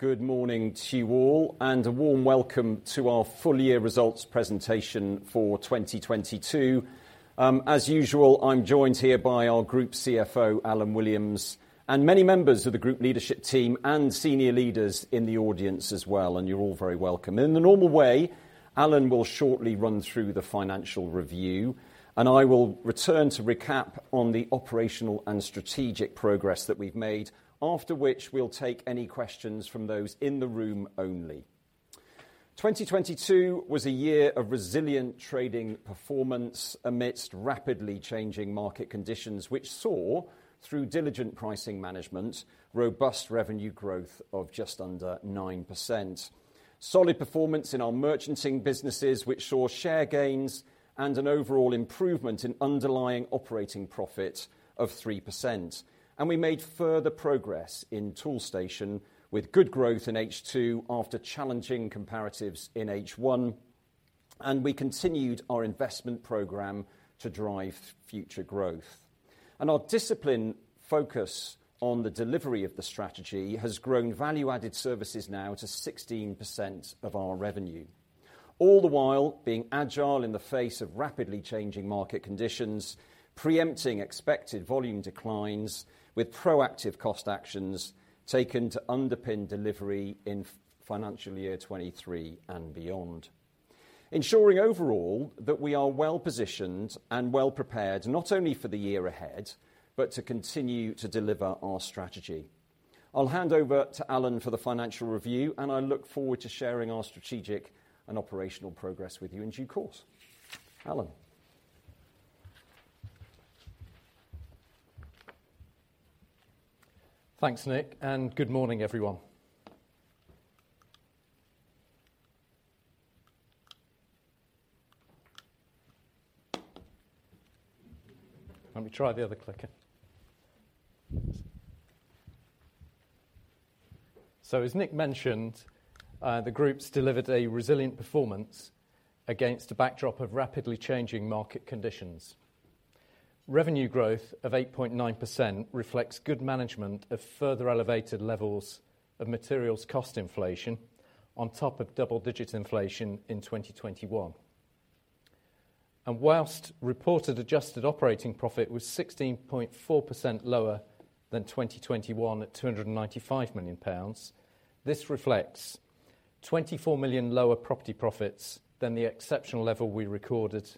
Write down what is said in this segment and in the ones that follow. Good morning to you all, a warm welcome to our full year results presentation for 2022. As usual, I'm joined here by our group CFO Alan Williams, and many members of the group leadership team and senior leaders in the audience as well, you're all very welcome. In the normal way, Alan will shortly run through the financial review, I will return to recap on the operational and strategic progress that we've made. After which, we'll take any questions from those in the room only. 2022 was a year of resilient trading performance amidst rapidly changing market conditions, which saw, through diligent pricing management, robust revenue growth of just under 9%. Solid performance in our merchanting businesses, which saw share gains and an overall improvement in underlying operating profit of 3%. We made further progress in Toolstation with good growth in H2 after challenging comparatives in H1, and we continued our investment program to drive future growth. Our disciplined focus on the delivery of the strategy has grown value-added services now to 16% of our revenue, all the while being agile in the face of rapidly changing market conditions, preempting expected volume declines with proactive cost actions taken to underpin delivery in financial year 2023 and beyond. Ensuring overall that we are well positioned and well prepared, not only for the year ahead, but to continue to deliver our strategy. I'll hand over to Alan for the financial review, and I look forward to sharing our strategic and operational progress with you in due course. Alan. Thanks, Nick. Good morning, everyone. Let me try the other clicker. As Nick mentioned, the group's delivered a resilient performance against a backdrop of rapidly changing market conditions. Revenue growth of 8.9% reflects good management of further elevated levels of materials cost inflation on top of double-digit inflation in 2021. Whilst reported adjusted operating profit was 16.4% lower than 2021 at 295 million pounds, this reflects 24 million lower property profits than the exceptional level we recorded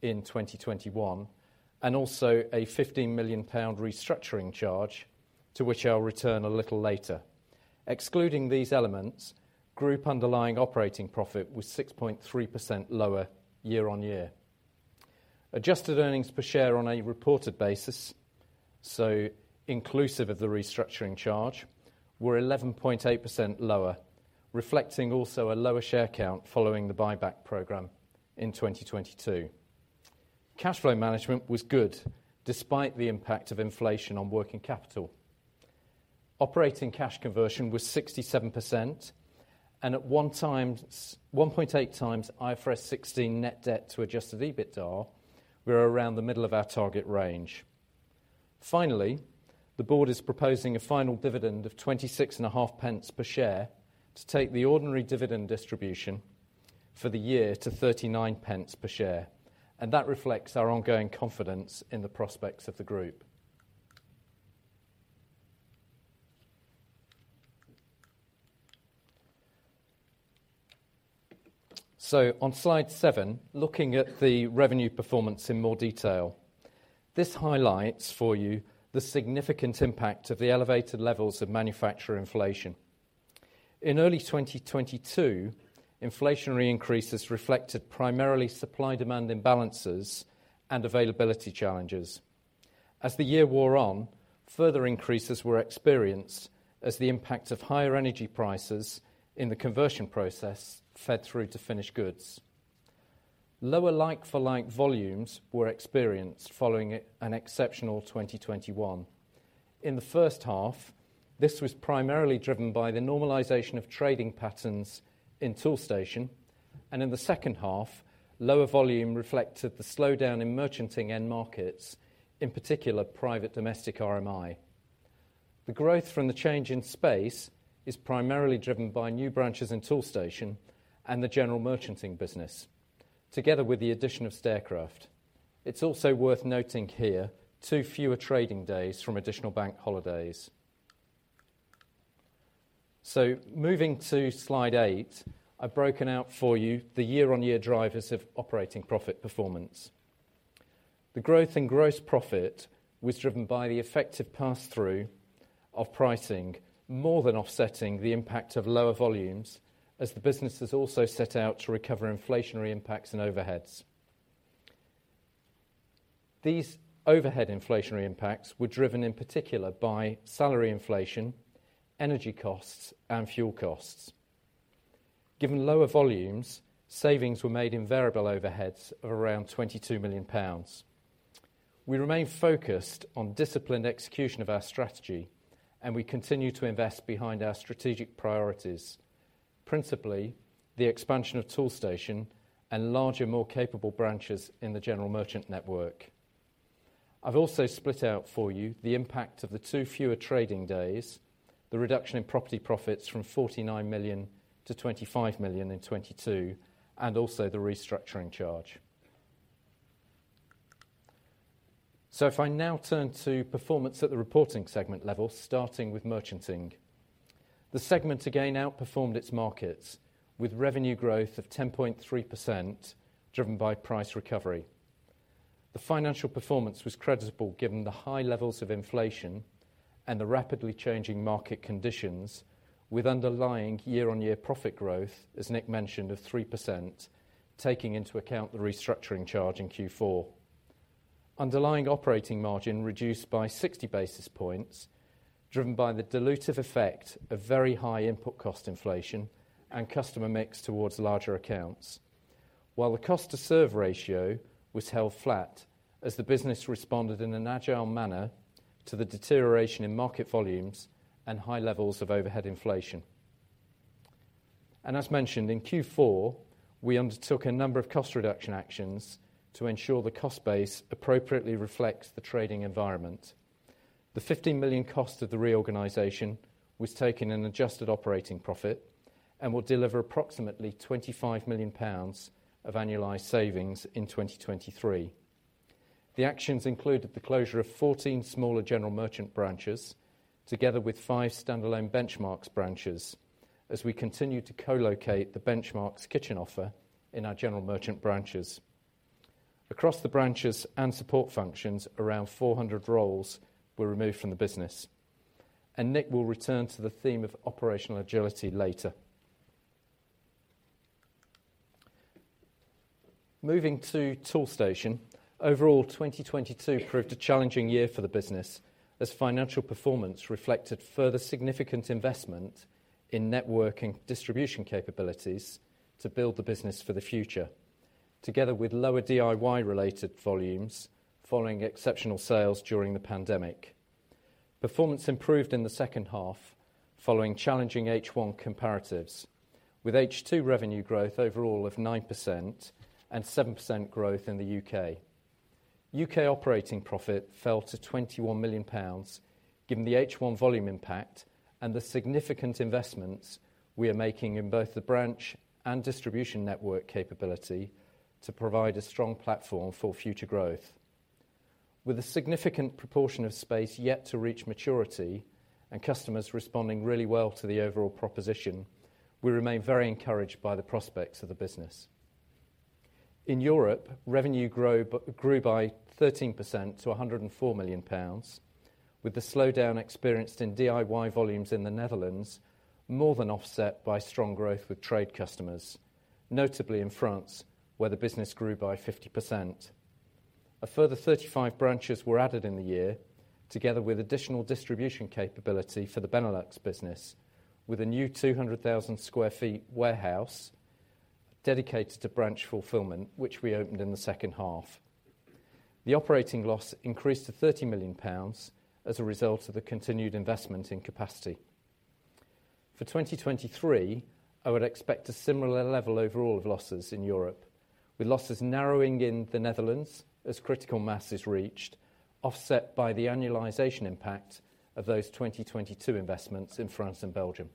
in 2021, and also a 15 million pound restructuring charge to which I'll return a little later. Excluding these elements, group underlying operating profit was 6.3% lower year-over-year. Adjusted earnings per share on a reported basis, so inclusive of the restructuring charge, were 11.8% lower, reflecting also a lower share count following the buyback program in 2022. Cash flow management was good despite the impact of inflation on working capital. Operating cash conversion was 67%, and at 1.8 times IFRS 16 net debt to adjusted EBITDA, we're around the middle of our target range. Finally, the board is proposing a final dividend of twenty-six and a half pence per share to take the ordinary dividend distribution for the year to 39 pence per share, and that reflects our ongoing confidence in the prospects of the group. On slide 7, looking at the revenue performance in more detail. This highlights for you the significant impact of the elevated levels of manufacturer inflation. In early 2022, inflationary increases reflected primarily supply-demand imbalances and availability challenges. As the year wore on, further increases were experienced as the impact of higher energy prices in the conversion process fed through to finished goods. Lower like-for-like volumes were experienced following an exceptional 2021. In the first half, this was primarily driven by the normalization of trading patterns in Toolstation. In the second half, lower volume reflected the slowdown in merchanting end markets, in particular, private domestic RMI. The growth from the change in space is primarily driven by new branches in Toolstation and the general merchanting business together with the addition of Staircraft. It's also worth noting here, two fewer trading days from additional bank holidays. Moving to slide 8, I've broken out for you the year-on-year drivers of operating profit performance. The growth in gross profit was driven by the effective pass-through of pricing more than offsetting the impact of lower volumes as the businesses also set out to recover inflationary impacts and overheads. These overhead inflationary impacts were driven in particular by salary inflation, energy costs, and fuel costs. Given lower volumes, savings were made in variable overheads of around 22 million pounds. We remain focused on disciplined execution of our strategy, and we continue to invest behind our strategic priorities, principally the expansion of Toolstation and larger, more capable branches in the general merchant network. I've also split out for you the impact of the two fewer trading days, the reduction in property profits from 49 million to 25 million in 2022, and also the restructuring charge. If I now turn to performance at the reporting segment level, starting with Merchanting. The segment again outperformed its markets with revenue growth of 10.3% driven by price recovery. The financial performance was creditable given the high levels of inflation and the rapidly changing market conditions with underlying year-on-year profit growth, as Nick mentioned, of 3%, taking into account the restructuring charge in Q4. Underlying operating margin reduced by 60 basis points, driven by the dilutive effect of very high input cost inflation and customer mix towards larger accounts. While the cost-to-serve ratio was held flat as the business responded in an agile manner to the deterioration in market volumes and high levels of overhead inflation. As mentioned, in Q4, we undertook a number of cost reduction actions to ensure the cost base appropriately reflects the trading environment. The 15 million cost of the reorganization was taken in adjusted operating profit and will deliver approximately 25 million pounds of annualized savings in 2023. The actions included the closure of 14 smaller general merchant branches together with 5 standalone Benchmarx branches as we continue to co-locate the Benchmarx kitchen offer in our general merchant branches. Across the branches and support functions, around 400 roles were removed from the business, and Nick will return to the theme of operational agility later. Moving to Toolstation. Overall, 2022 proved a challenging year for the business as financial performance reflected further significant investment in networking distribution capabilities to build the business for the future, together with lower DIY related volumes following exceptional sales during the pandemic. Performance improved in the second half following challenging H1 comparatives with H2 revenue growth overall of 9% and 7% growth in the UK. UK operating profit fell to 21 million pounds given the H1 volume impact and the significant investments we are making in both the branch and distribution network capability to provide a strong platform for future growth. With a significant proportion of space yet to reach maturity and customers responding really well to the overall proposition, we remain very encouraged by the prospects of the business. In Europe, revenue grew by 13% to 104 million pounds, with the slowdown experienced in DIY volumes in the Netherlands more than offset by strong growth with trade customers, notably in France, where the business grew by 50%. A further 35 branches were added in the year together with additional distribution capability for the Benelux business with a new 200,000 sq ft warehouse dedicated to branch fulfillment, which we opened in the second half. The operating loss increased to 30 million pounds as a result of the continued investment in capacity. For 2023, I would expect a similar level overall of losses in Europe, with losses narrowing in the Netherlands as critical mass is reached, offset by the annualization impact of those 2022 investments in France and Belgium.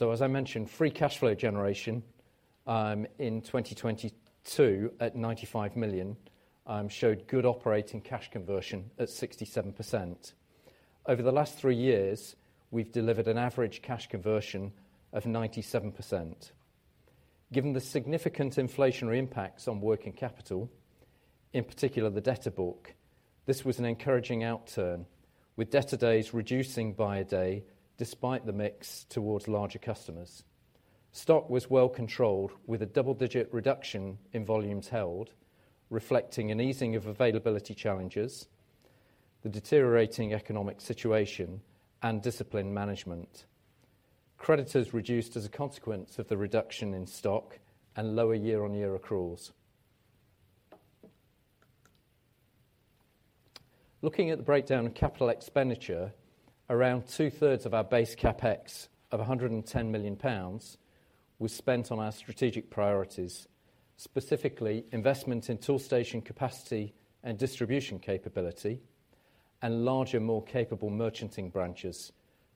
As I mentioned, free cash flow generation in 2022 at 95 million showed good operating cash conversion at 67%. Over the last three years, we've delivered an average cash conversion of 97%. Given the significant inflationary impacts on working capital, in particular the debtor book, this was an encouraging outturn, with debtor days reducing by a day despite the mix towards larger customers. Stock was well controlled with a double-digit reduction in volumes held, reflecting an easing of availability challenges, the deteriorating economic situation, and discipline management. Creditors reduced as a consequence of the reduction in stock and lower year-on-year accruals. Looking at the breakdown of capital expenditure, around two-thirds of our base CapEx of 110 million pounds was spent on our strategic priorities, specifically investment in Toolstation capacity and distribution capability and larger, more capable merchanting branches,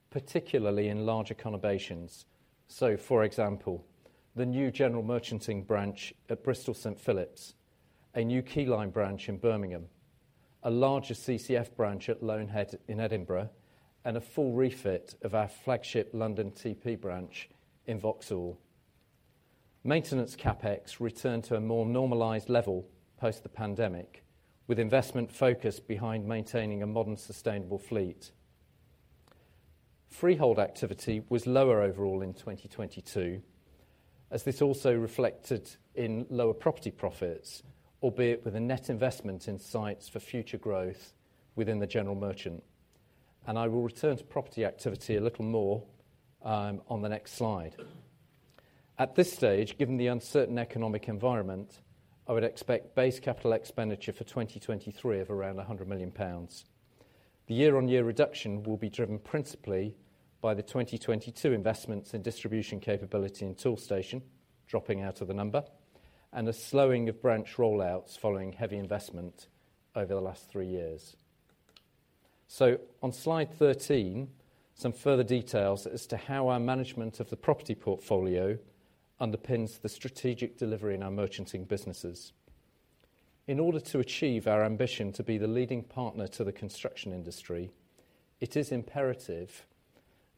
particularly in larger conurbations. For example, the new general merchanting branch at Bristol, St Phillips, a new Keyline branch in Birmingham, a larger CCF branch at Loanhead in Edinburgh, and a full refit of our flagship London TP branch in Vauxhall. Maintenance CapEx returned to a more normalized level post the pandemic, with investment focus behind maintaining a modern, sustainable fleet. Freehold activity was lower overall in 2022, as this also reflected in lower property profits, albeit with a net investment in sites for future growth within the General Merchant. I will return to property activity a little more on the next slide. At this stage, given the uncertain economic environment, I would expect base capital expenditure for 2023 of around 100 million pounds. The year-on-year reduction will be driven principally by the 2022 investments in distribution capability and Toolstation dropping out of the number, and a slowing of branch rollouts following heavy investment over the last three years. On slide 13, some further details as to how our management of the property portfolio underpins the strategic delivery in our merchanting businesses. In order to achieve our ambition to be the leading partner to the construction industry, it is imperative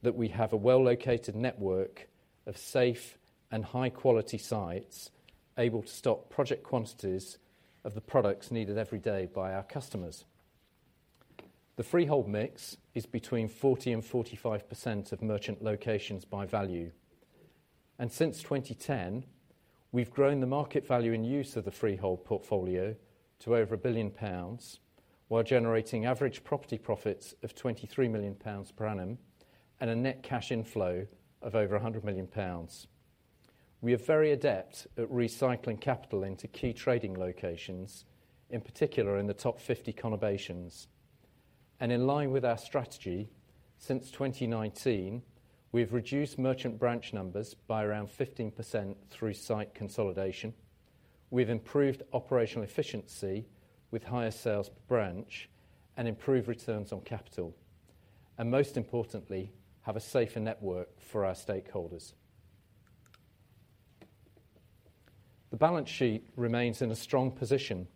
that we have a well-located network of safe and high-quality sites able to stock project quantities of the products needed every day by our customers. The freehold mix is between 40 and 45% of merchant locations by value. Since 2010, we've grown the market value and use of the freehold portfolio to over 1 billion pounds, while generating average property profits of 23 million pounds per annum, and a net cash inflow of over 100 million pounds. We are very adept at recycling capital into key trading locations, in particular in the top 50 conurbations. In line with our strategy, since 2019, we have reduced merchant branch numbers by around 15% through site consolidation. We've improved operational efficiency with higher sales branch and improved returns on capital, and most importantly, have a safer network for our stakeholders. The balance sheet remains in a strong position,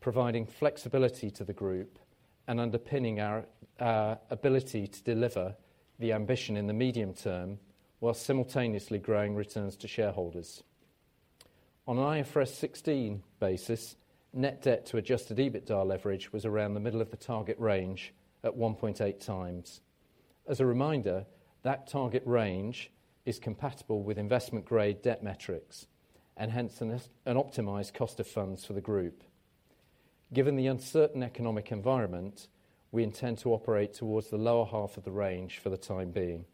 providing flexibility to the group and underpinning our ability to deliver the ambition in the medium term, while simultaneously growing returns to shareholders. On an IFRS 16 basis, net debt to adjusted EBITDA leverage was around the middle of the target range at 1.8x. As a reminder, that target range is compatible with investment-grade debt metrics and hence an optimized cost of funds for the group. Given the uncertain economic environment, we intend to operate towards the lower half of the range for the time being.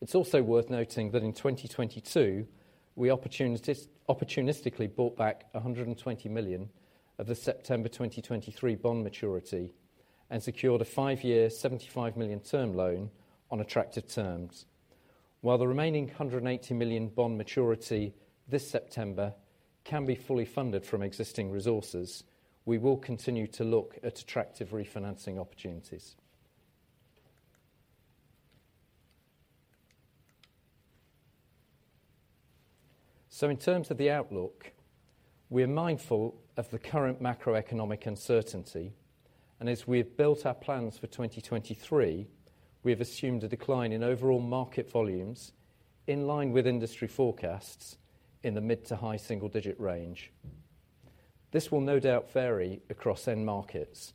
It's also worth noting that in 2022, we opportunistically bought back 120 million of the September 2023 bond maturity and secured a 5-year 75 million term loan on attractive terms. The remaining 180 million bond maturity this September can be fully funded from existing resources, we will continue to look at attractive refinancing opportunities. In terms of the outlook, we are mindful of the current macroeconomic uncertainty, and as we have built our plans for 2023, we have assumed a decline in overall market volumes in line with industry forecasts in the mid- to high-single digit range. This will no doubt vary across end markets,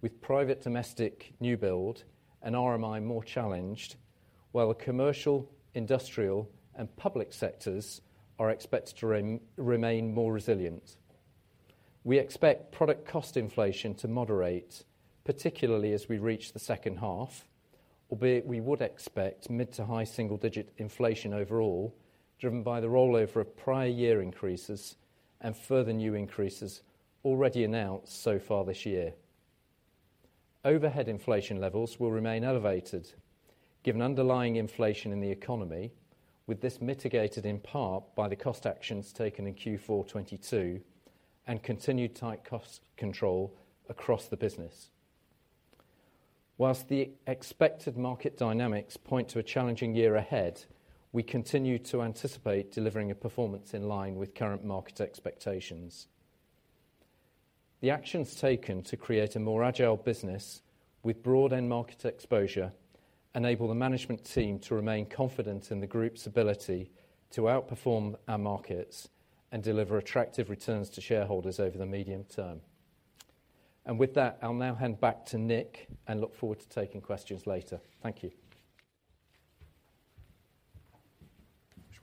with private domestic new build and RMI more challenged, while the commercial, industrial, and public sectors are expected to remain more resilient. We expect product cost inflation to moderate, particularly as we reach the second half, albeit we would expect mid- to high-single digit inflation overall, driven by the rollover of prior year increases and further new increases already announced so far this year. Overhead inflation levels will remain elevated given underlying inflation in the economy, with this mitigated in part by the cost actions taken in Q4 2022 and continued tight cost control across the business. While the expected market dynamics point to a challenging year ahead, we continue to anticipate delivering a performance in line with current market expectations. The actions taken to create a more agile business with broad end market exposure enable the management team to remain confident in the group's ability to outperform our markets and deliver attractive returns to shareholders over the medium term. With that, I'll now hand back to Nick and look forward to taking questions later. Thank you.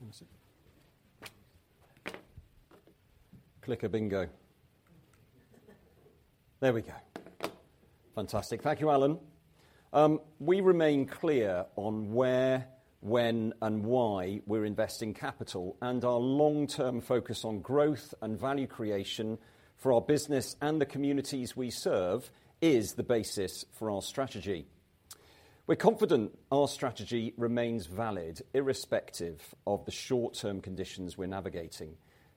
Which one is it? Clicker bingo. There we go. Fantastic. Thank you, Alan. We remain clear on where, when, and why we're investing capital. Our long-term focus on growth and value creation for our business and the communities we serve is the basis for our strategy. We're confident our strategy remains valid irrespective of the short-term conditions we're navigating,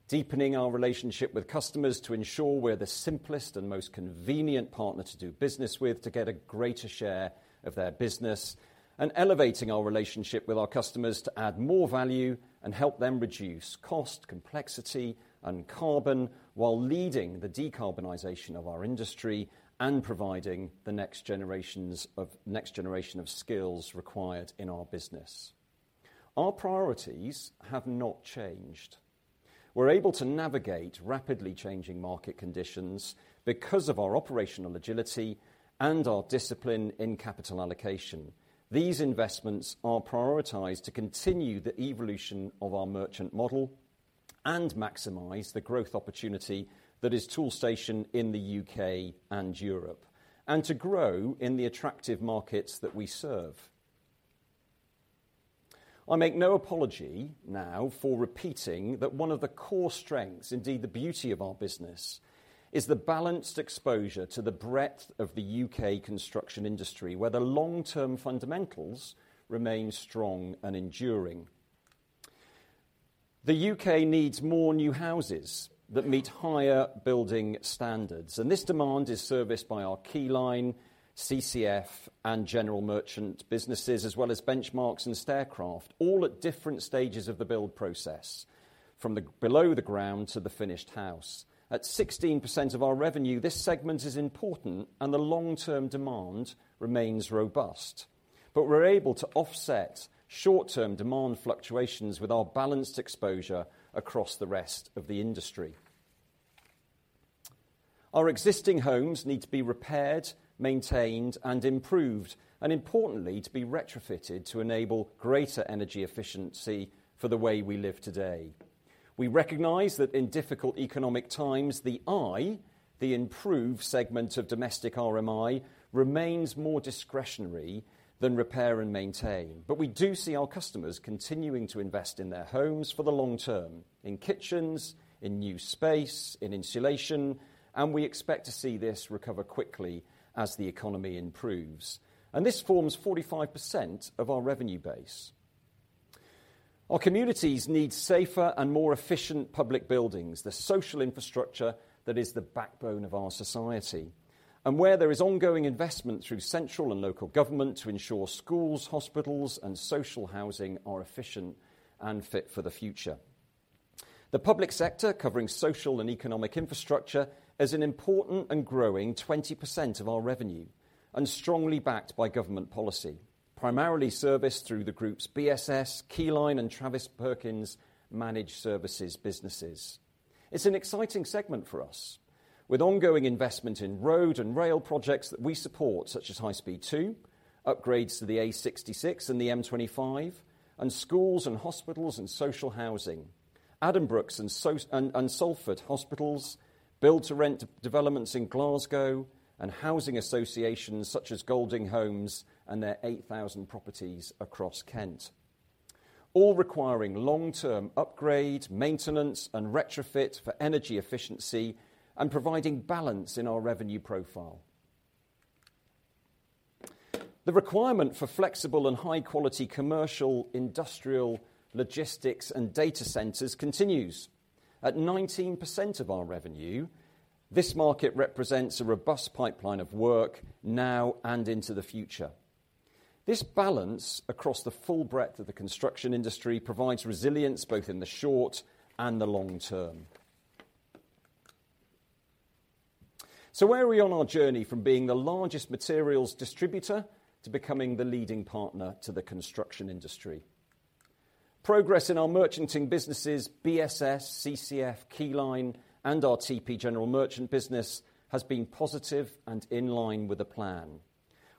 deepening our relationship with customers to ensure we're the simplest and most convenient partner to do business with to get a greater share of their business. Elevating our relationship with our customers to add more value and help them reduce cost, complexity, and carbon while leading the decarbonization of our industry and providing the next generation of skills required in our business. Our priorities have not changed. We're able to navigate rapidly changing market conditions because of our operational agility and our discipline in capital allocation. These investments are prioritized to continue the evolution of our merchant model and maximize the growth opportunity that is Toolstation in the UK and Europe, and to grow in the attractive markets that we serve. I make no apology now for repeating that one of the core strengths, indeed, the beauty of our business is the balanced exposure to the breadth of the UK construction industry, where the long-term fundamentals remain strong and enduring. The UK needs more new houses that meet higher building standards, and this demand is serviced by our Keyline, CCF, and general merchant businesses, as well as Benchmarx and Staircraft, all at different stages of the build process from the below the ground to the finished house. At 16% of our revenue, this segment is important and the long-term demand remains robust. We're able to offset short-term demand fluctuations with our balanced exposure across the rest of the industry. Our existing homes need to be repaired, maintained, and improved, and importantly, to be retrofitted to enable greater energy efficiency for the way we live today. We recognize that in difficult economic times, the I, the improve segment of domestic RMI, remains more discretionary than repair and maintain. We do see our customers continuing to invest in their homes for the long term, in kitchens, in new space, in insulation, and we expect to see this recover quickly as the economy improves. This forms 45% of our revenue base. Our communities need safer and more efficient public buildings, the social infrastructure that is the backbone of our society, and where there is ongoing investment through central and local government to ensure schools, hospitals, and social housing are efficient and fit for the future. The public sector, covering social and economic infrastructure, is an important and growing 20% of our revenue and strongly backed by government policy, primarily serviced through the group's BSS, Keyline, and Travis Perkins Managed Services businesses. It's an exciting segment for us with ongoing investment in road and rail projects that we support, such as High Speed Two, upgrades to the A66 and the M25, and schools and hospitals and social housing. Addenbrooke's and Salford Hospitals, build to rent developments in Glasgow, and housing associations such as Golding Homes and their 8,000 properties across Kent, all requiring long-term upgrade, maintenance, and retrofit for energy efficiency and providing balance in our revenue profile. The requirement for flexible and high-quality commercial, industrial, logistics, and data centers continues. At 19% of our revenue, this market represents a robust pipeline of work now and into the future. This balance across the full breadth of the construction industry provides resilience both in the short and the long term. Where are we on our journey from being the largest materials distributor to becoming the leading partner to the construction industry? Progress in our merchanting businesses, BSS, CCF, Keyline, and our TP general merchant business, has been positive and in line with the plan.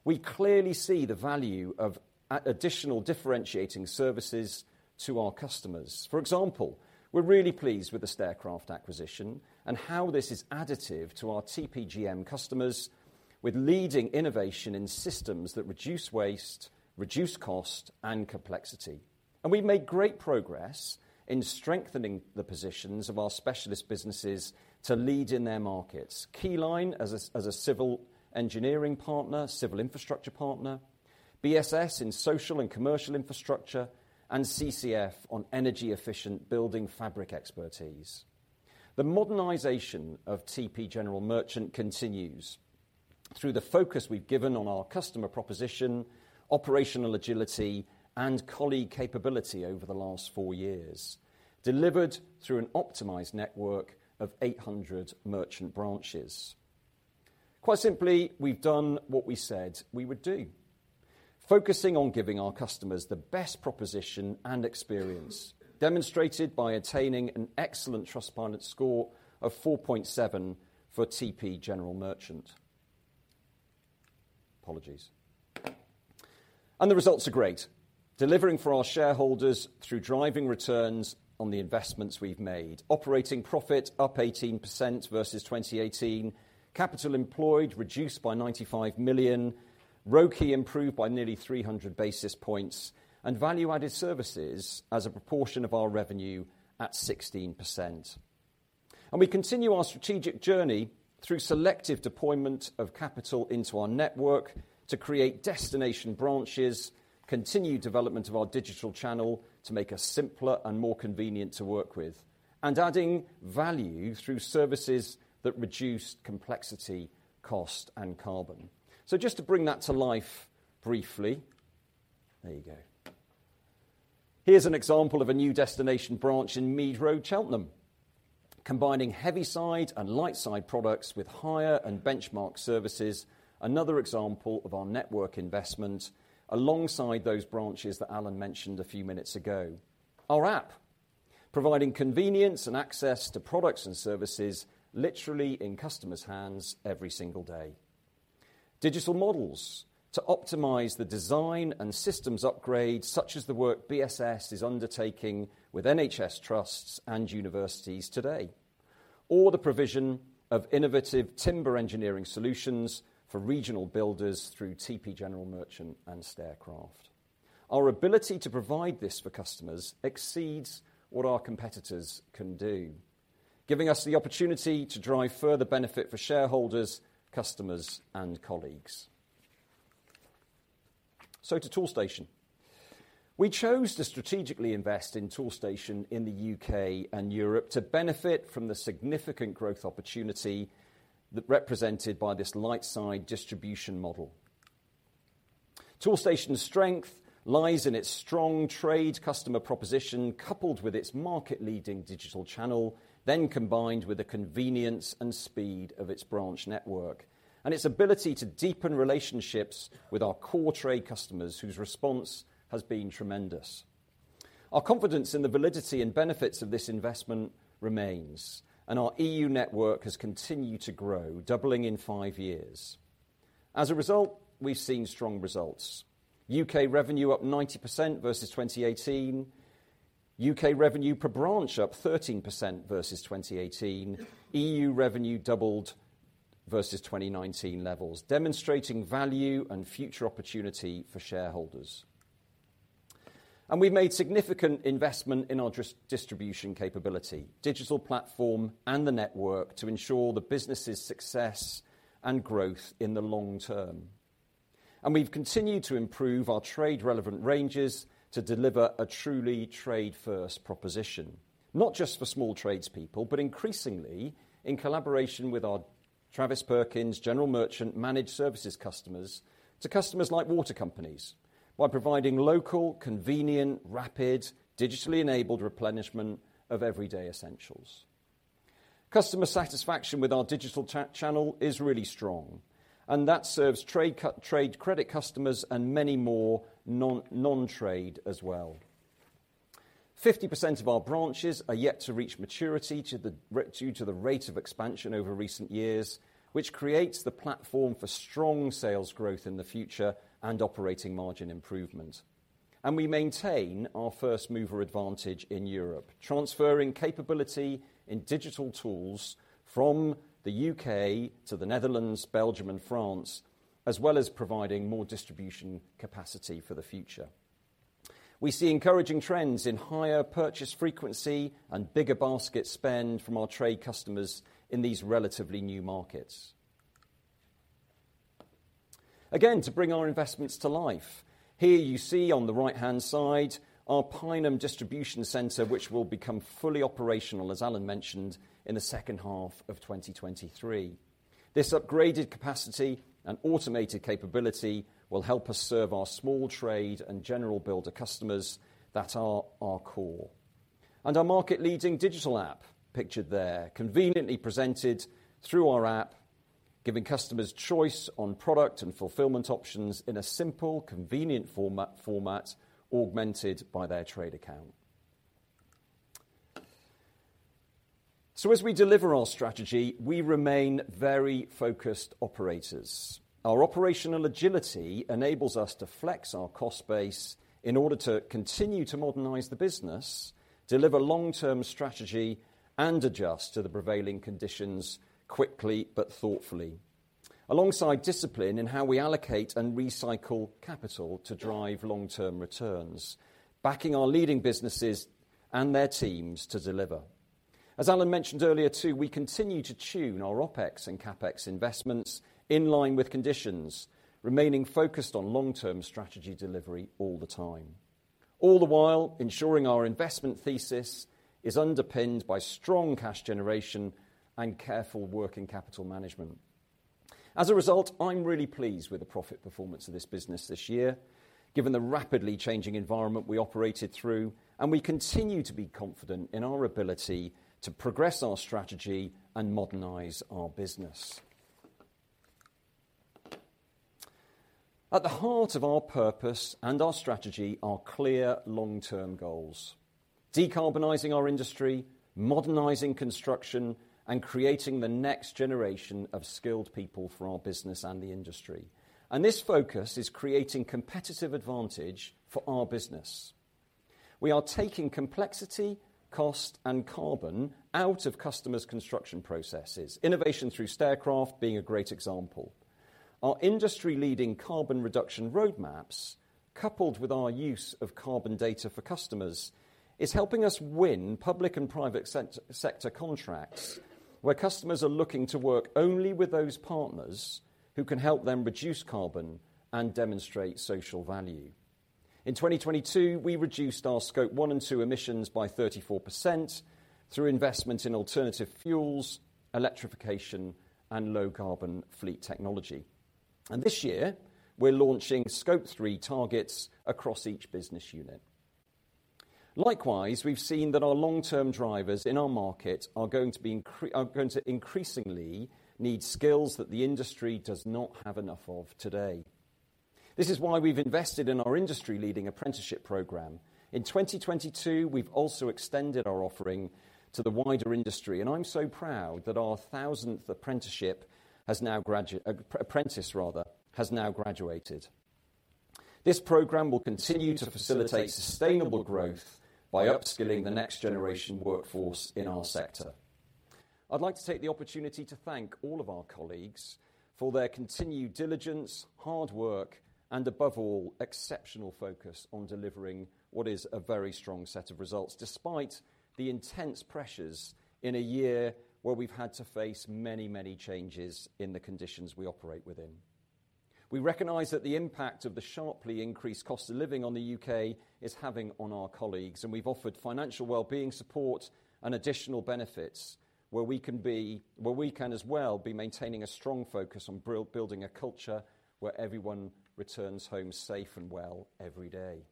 We clearly see the value of additional differentiating services to our customers. For example, we're really pleased with the Staircraft acquisition and how this is additive to our TPGM customers with leading innovation in systems that reduce waste, reduce cost, and complexity. We've made great progress in strengthening the positions of our specialist businesses to lead in their markets. Keyline as a civil engineering partner, civil infrastructure partner, BSS in social and commercial infrastructure, and CCF on energy efficient building fabric expertise. The modernization of TP General Merchant continues through the focus we've given on our customer proposition, operational agility, and colleague capability over the last 4 years, delivered through an optimized network of 800 merchant branches. Quite simply, we've done what we said we would do, focusing on giving our customers the best proposition and experience demonstrated by attaining an excellent Trustpilot score of 4.7 for TP General Merchant. Apologies. The results are great. Delivering for our shareholders through driving returns on the investments we've made. Operating profit up 18% versus 2018, capital employed reduced by 95 million, ROCE improved by nearly 300 basis points, and value-added services as a proportion of our revenue at 16%. We continue our strategic journey through selective deployment of capital into our network to create destination branches, continue development of our digital channel to make us simpler and more convenient to work with, and adding value through services that reduce complexity, cost, and carbon. Just to bring that to life briefly. There you go. Here's an example of a new destination branch in Mead Road, Cheltenham. Combining heavy side and light side products with hire and Benchmarx services, another example of our network investment alongside those branches that Alan mentioned a few minutes ago. Our app, providing convenience and access to products and services literally in customers' hands every single day. Digital models to optimize the design and systems upgrades, such as the work BSS is undertaking with NHS trusts and universities today. Or the provision of innovative timber engineering solutions for regional builders through TP General Merchant and Staircraft. Our ability to provide this for customers exceeds what our competitors can do, giving us the opportunity to drive further benefit for shareholders, customers, and colleagues. To Toolstation. We chose to strategically invest in Toolstation in the UK and Europe to benefit from the significant growth opportunity that represented by this light side distribution model. Toolstation's strength lies in its strong trade customer proposition, coupled with its market-leading digital channel, combined with the convenience and speed of its branch network, and its ability to deepen relationships with our core trade customers, whose response has been tremendous. Our confidence in the validity and benefits of this investment remains, and our EU network has continued to grow, doubling in five years. As a result, we've seen strong results. UK revenue up 90% versus 2018. UK revenue per branch up 13% versus 2018. EU revenue doubled versus 2019 levels, demonstrating value and future opportunity for shareholders. We've made significant investment in our distribution capability, digital platform and the network to ensure the business's success and growth in the long term. We've continued to improve our trade relevant ranges to deliver a truly trade first proposition, not just for small tradespeople, but increasingly in collaboration with our Travis Perkins General Merchant Managed Services customers to customers like water companies by providing local, convenient, rapid, digitally enabled replenishment of everyday essentials. Customer satisfaction with our digital channel is really strong and that serves trade credit customers and many more non-trade as well. 50% of our branches are yet to reach maturity due to the rate of expansion over recent years, which creates the platform for strong sales growth in the future and operating margin improvement. We maintain our first mover advantage in Europe, transferring capability in digital tools from the UK to the Netherlands, Belgium and France, as well as providing more distribution capacity for the future. We see encouraging trends in higher purchase frequency and bigger basket spend from our trade customers in these relatively new markets. Again, to bring our investments to life, here you see on the right-hand side our Pineham distribution center, which will become fully operational, as Alan mentioned, in the second half of 2023. This upgraded capacity and automated capability will help us serve our small trade and general builder customers that are our core. Our market leading digital app pictured there conveniently presented through our app giving customers choice on product and fulfillment options in a simple, convenient format augmented by their trade account. As we deliver our strategy, we remain very focused operators. Our operational agility enables us to flex our cost base in order to continue to modernize the business, deliver long term strategy, and adjust to the prevailing conditions quickly but thoughtfully. Alongside discipline in how we allocate and recycle capital to drive long term returns, backing our leading businesses and their teams to deliver. As Alan mentioned earlier, too, we continue to tune our OpEx and CapEx investments in line with conditions remaining focused on long term strategy delivery all the time. All the while ensuring our investment thesis is underpinned by strong cash generation and careful working capital management. I'm really pleased with the profit performance of this business this year, given the rapidly changing environment we operated through. We continue to be confident in our ability to progress our strategy and modernize our business. At the heart of our purpose and our strategy are clear long term goals. Decarbonizing our industry, modernizing construction, and creating the next generation of skilled people for our business and the industry. This focus is creating competitive advantage for our business. We are taking complexity, cost, and carbon out of customers' construction processes, innovation through Staircraft being a great example. Our industry leading carbon reduction roadmaps, coupled with our use of carbon data for customers, is helping us win public and private sector contracts where customers are looking to work only with those partners who can help them reduce carbon and demonstrate social value. In 2022, we reduced our Scope 1 and 2 emissions by 34% through investment in alternative fuels, electrification and low carbon fleet technology. This year, we're launching Scope 3 targets across each business unit. Likewise, we've seen that our long term drivers in our market are going to increasingly need skills that the industry does not have enough of today. This is why we've invested in our industry leading apprenticeship program. In 2022, we've also extended our offering to the wider industry, and I'm so proud that our 1,000th apprentice rather, has now graduated. This program will continue to facilitate sustainable growth by upskilling the next generation workforce in our sector. I'd like to take the opportunity to thank all of our colleagues for their continued diligence, hard work, and above all, exceptional focus on delivering what is a very strong set of results despite the intense pressures in a year where we've had to face many changes in the conditions we operate within. We recognize that the impact of the sharply increased cost of living on the U.K. is having on our colleagues, and we've offered financial well-being support and additional benefits where we can as well be maintaining a strong focus on building a culture where everyone returns home safe and well every day.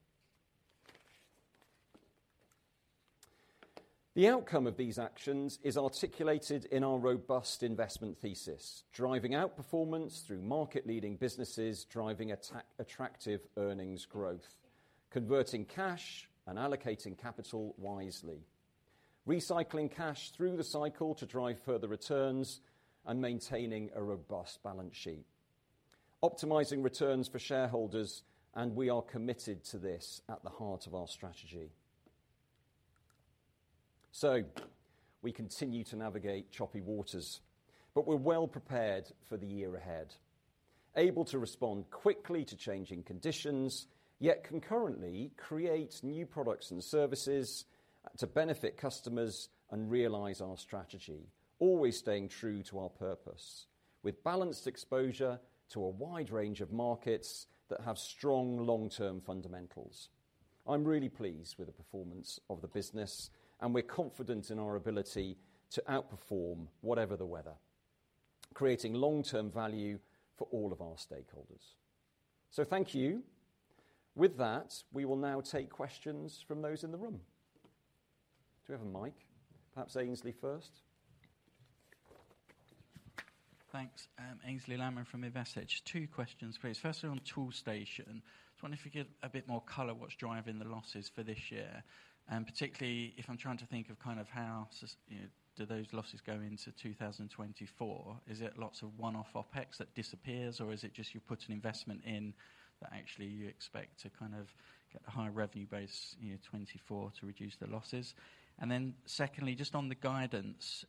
The outcome of these actions is articulated in our robust investment thesis, driving outperformance through market-leading businesses, driving attractive earnings growth, converting cash, and allocating capital wisely, recycling cash through the cycle to drive further returns, and maintaining a robust balance sheet, optimizing returns for shareholders, and we are committed to this at the heart of our strategy. We continue to navigate choppy waters, but we're well-prepared for the year ahead. Able to respond quickly to changing conditions, yet concurrently create new products and services to benefit customers and realize our strategy, always staying true to our purpose with balanced exposure to a wide range of markets that have strong long-term fundamentals. I'm really pleased with the performance of the business, and we're confident in our ability to outperform whatever the weather, creating long-term value for all of our stakeholders. Thank you. With that, we will now take questions from those in the room. Do we have a mic? Perhaps Aynsley first. Thanks. Aynsley Lammin from Investec. Two questions, please. Firstly on Toolstation, just wondering if you could give a bit more color what's driving the losses for this year? Particularly, if I'm trying to think of kind of how, you know, do those losses go into 2024? Is it lots of one-off OpEx that disappears, or is it just you put an investment in that actually you expect to kind of get the high revenue base, you know, 24 to reduce the losses? Secondly, just on the guidance,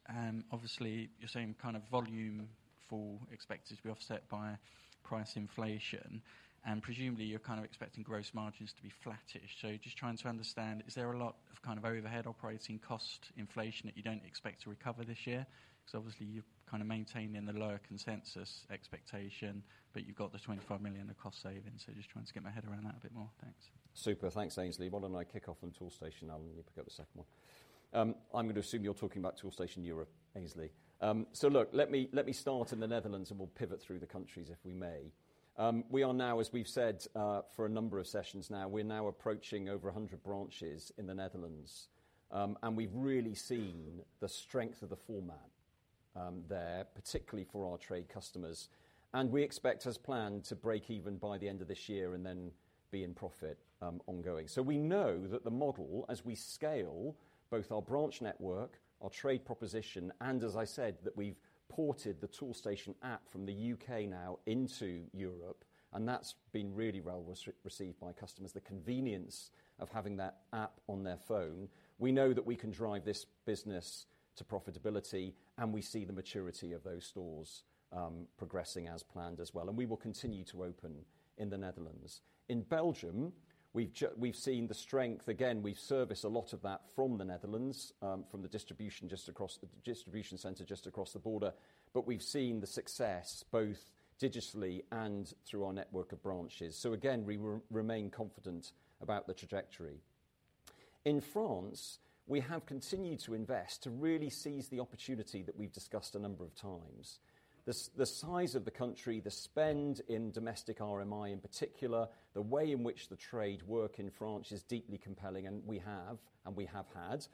obviously, you're saying kind of volume fall expected to be offset by price inflation and presumably you're kind of expecting gross margins to be flattish. Just trying to understand, is there a lot of kind of overhead operating cost inflation that you don't expect to recover this year? Obviously you're kind of maintaining the lower consensus expectation, but you've got the 25 million of cost savings. Just trying to get my head around that a bit more. Thanks. Super. Thanks, Aynsley. Why don't I kick off on Toolstation, Alan? You pick up the second one. I'm going to assume you're talking about Toolstation Europe, Aynsley. Look, let me, let me start in the Netherlands, and we'll pivot through the countries, if we may. We are now, as we've said, for a number of sessions now, we're now approaching over 100 branches in the Netherlands. We've really seen the strength of the format there, particularly for our trade customers. We expect as planned to break even by the end of this year and then be in profit ongoing. We know that the model, as we scale both our branch network, our trade proposition and as I said, that we've ported the Toolstation app from the UK now into Europe, and that's been really well received by customers. The convenience of having that app on their phone, we know that we can drive this business to profitability and we see the maturity of those stores, progressing as planned as well. We will continue to open in the Netherlands. In Belgium, we've seen the strength. Again, we service a lot of that from the Netherlands, from the distribution just across the distribution center just across the border. We've seen the success both digitally and through our network of branches. Again, we remain confident about the trajectory. In France, we have continued to invest to really seize the opportunity that we've discussed a number of times. The size of the country, the spend in domestic RMI in particular, the way in which the trade work in France is deeply compelling and we have had,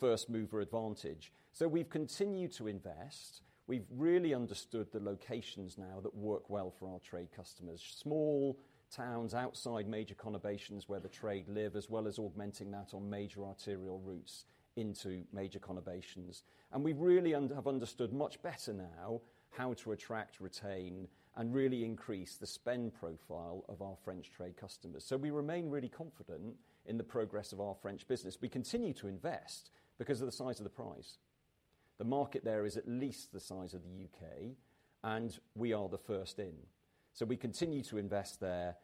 first mover advantage. We've continued to invest. We've really understood the locations now that work well for our trade customers. Small towns outside major conurbations where the trade live, as well as augmenting that on major arterial routes into major conurbations. We really have understood much better now how to attract, retain, and really increase the spend profile of our French trade customers. We remain really confident in the progress of our French business. We continue to invest because of the size of the prize. The market there is at least the size of the UK, and we are the first in. We continue to invest there,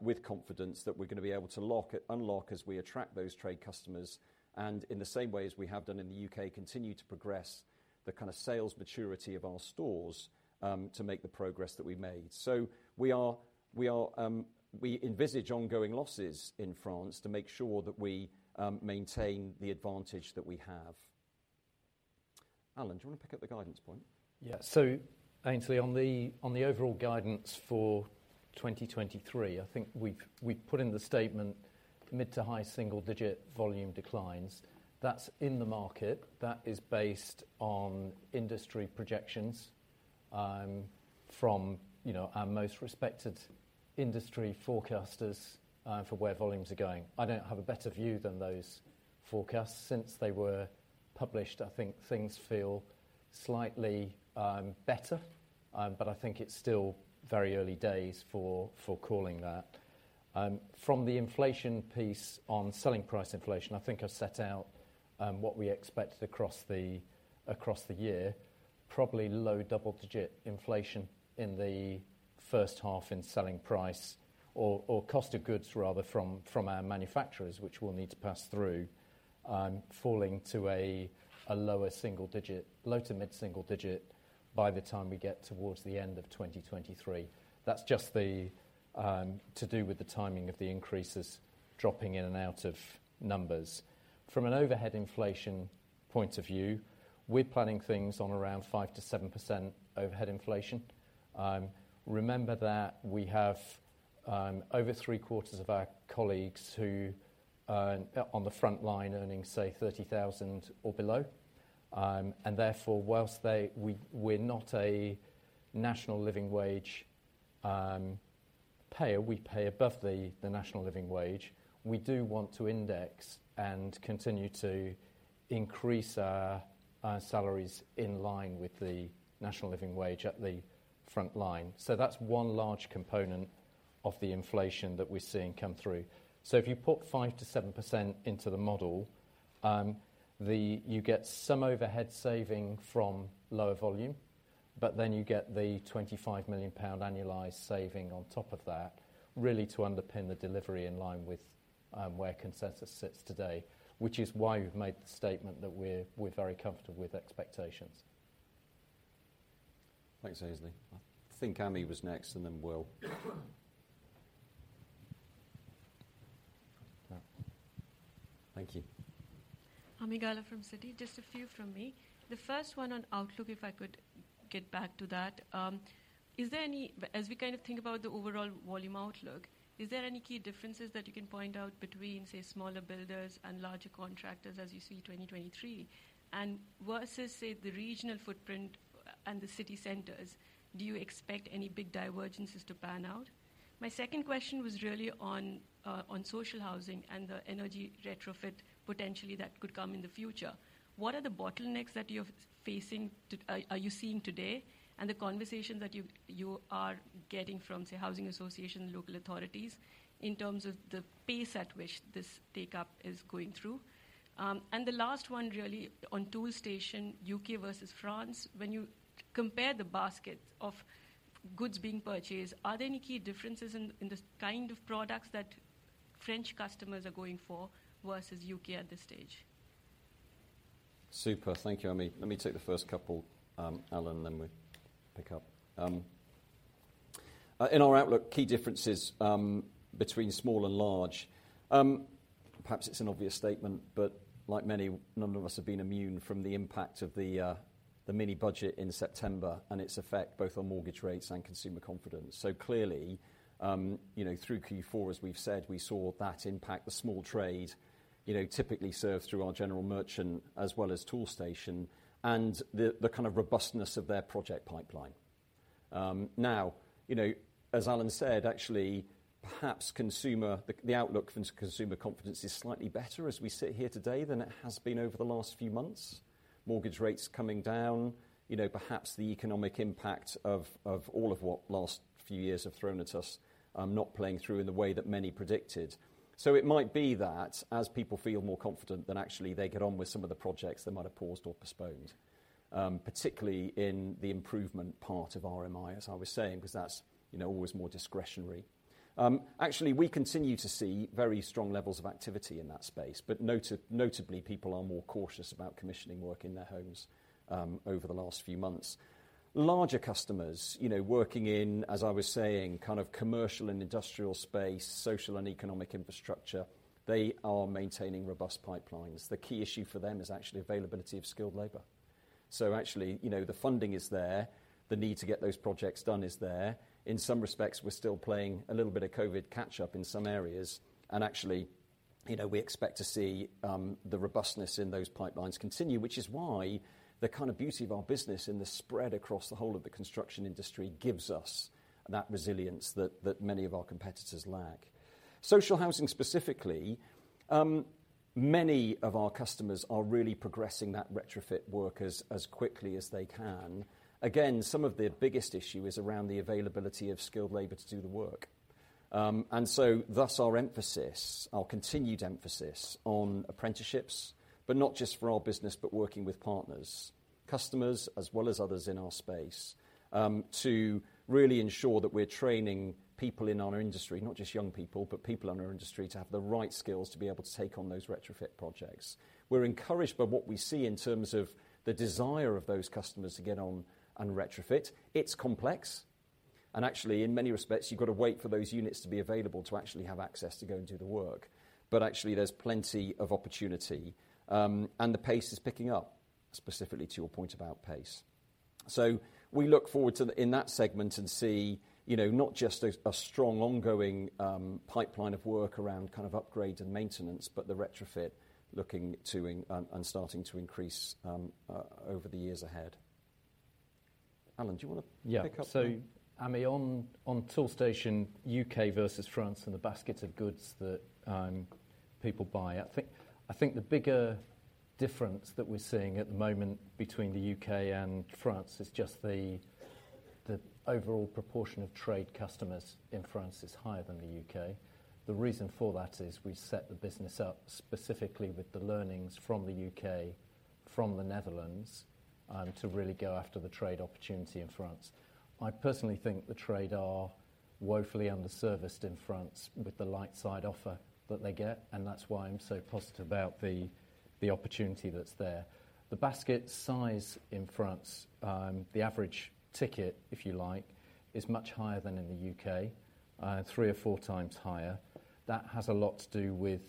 with confidence that we're going to be able to unlock as we attract those trade customers and in the same way as we have done in the UK, continue to progress the kind of sales maturity of our stores, to make the progress that we made. We are, we envisage ongoing losses in France to make sure that we maintain the advantage that we have. Alan, do you want to pick up the guidance point? Ainsley, on the overall guidance for 2023, I think we've put in the statement mid-to-high single-digit volume declines. That's in the market. That is based on industry projections from our most respected industry forecasters. For where volumes are going, I don't have a better view than those forecasts since they were published. I think things feel slightly better, but I think it's still very early days for calling that. From the inflation piece on selling price inflation, I think I've set out what we expect across the year. Probably low double-digit inflation in the first half in selling price or cost of goods, rather, from our manufacturers, which we'll need to pass through, falling to a lower single digit, low to mid-single digit by the time we get towards the end of 2023. That's just to do with the timing of the increases dropping in and out of numbers. From an overhead inflation point of view, we're planning things on around 5% to 7% overhead inflation. Remember that we have over three-quarters of our colleagues who on the front line earning, say, 30,000 or below. Therefore, whilst we're not a National Living Wage payer, we pay above the National Living Wage, we do want to index and continue to increase our salaries in line with the National Living Wage at the front line. That's 1 large component of the inflation that we're seeing come through. If you put 5%-7% into the model, you get some overhead saving from lower volume, you get the 25 million pound annualized saving on top of that, really to underpin the delivery in line with where consensus sits today, which is why we've made the statement that we're very comfortable with expectations. Thanks, Aynsley. I think Ami was next, and then Will. Thank you. Ami Galla from Citi. Just a few from me. The first one on outlook, if I could get back to that. As we kind of think about the overall volume outlook, is there any key differences that you can point out between, say, smaller builders and larger contractors as you see 2023? Versus, say, the regional footprint and the city centers, do you expect any big divergences to pan out? My second question was really on social housing and the energy retrofit potentially that could come in the future. What are the bottlenecks that you're facing, are you seeing today and the conversation that you are getting from, say, housing association, local authorities in terms of the pace at which this take-up is going through? The last one really on Toolstation UK versus France. When you compare the basket of goods being purchased, are there any key differences in the kind of products that French customers are going for versus UK at this stage? Super. Thank you, Ami. Let me take the first couple, Alan, and then we pick up. In our outlook, key differences between small and large. Perhaps it's an obvious statement, but like many, none of us have been immune from the impact of the mini budget in September and its effect both on mortgage rates and consumer confidence. Clearly, you know, through Q4, as we've said, we saw that impact the small trade, you know, typically served through our General Merchant as well as Toolstation and the kind of robustness of their project pipeline. Now, you know, as Alan said, actually, perhaps consumer, the outlook for consumer confidence is slightly better as we sit here today than it has been over the last few months. Mortgage rates coming down, you know, perhaps the economic impact of all of what last few years have thrown at us, not playing through in the way that many predicted. It might be that as people feel more confident, then actually they get on with some of the projects they might have paused or postponed, particularly in the improvement part of RMI, as I was saying, because that's, you know, always more discretionary. Actually, we continue to see very strong levels of activity in that space, but notably, people are more cautious about commissioning work in their homes over the last few months. Larger customers, you know, working in, as I was saying, kind of commercial and industrial space, social and economic infrastructure, they are maintaining robust pipelines. The key issue for them is actually availability of skilled labor. Actually, you know, the funding is there. The need to get those projects done is there. In some respects, we're still playing a little bit of COVID catch up in some areas. Actually, you know, we expect to see the robustness in those pipelines continue, which is why the kind of beauty of our business in the spread across the whole of the construction industry gives us that resilience that many of our competitors lack. Social housing specifically, many of our customers are really progressing that retrofit work as quickly as they can. Again, some of their biggest issue is around the availability of skilled labor to do the work. Thus our emphasis, our continued emphasis on apprenticeships, but not just for our business, but working with partners, customers, as well as others in our space, to really ensure that we're training people in our industry, not just young people, but people in our industry to have the right skills to be able to take on those retrofit projects. We're encouraged by what we see in terms of the desire of those customers to get on and retrofit. It's complex, and actually, in many respects, you've got to wait for those units to be available to actually have access to go and do the work. Actually, there's plenty of opportunity, and the pace is picking up specifically to your point about pace. We look forward to in that segment and see, you know, not just a strong ongoing, pipeline of work around kind of upgrade and maintenance, but the retrofit looking to and starting to increase over the years ahead. Alan, do you wanna- Yeah pick up? I mean, on Toolstation UK versus France and the baskets of goods that people buy, I think the bigger difference that we're seeing at the moment between the UK and France is just the overall proportion of trade customers in France is higher than the UK. The reason for that is we set the business up specifically with the learnings from the UK, from the Netherlands, to really go after the trade opportunity in France. I personally think the trade are woefully underserviced in France with the light side offer that they get, and that's why I'm so positive about the opportunity that's there. The basket size in France, the average ticket, if you like, is much higher than in the UK, three or four times higher. That has a lot to do with,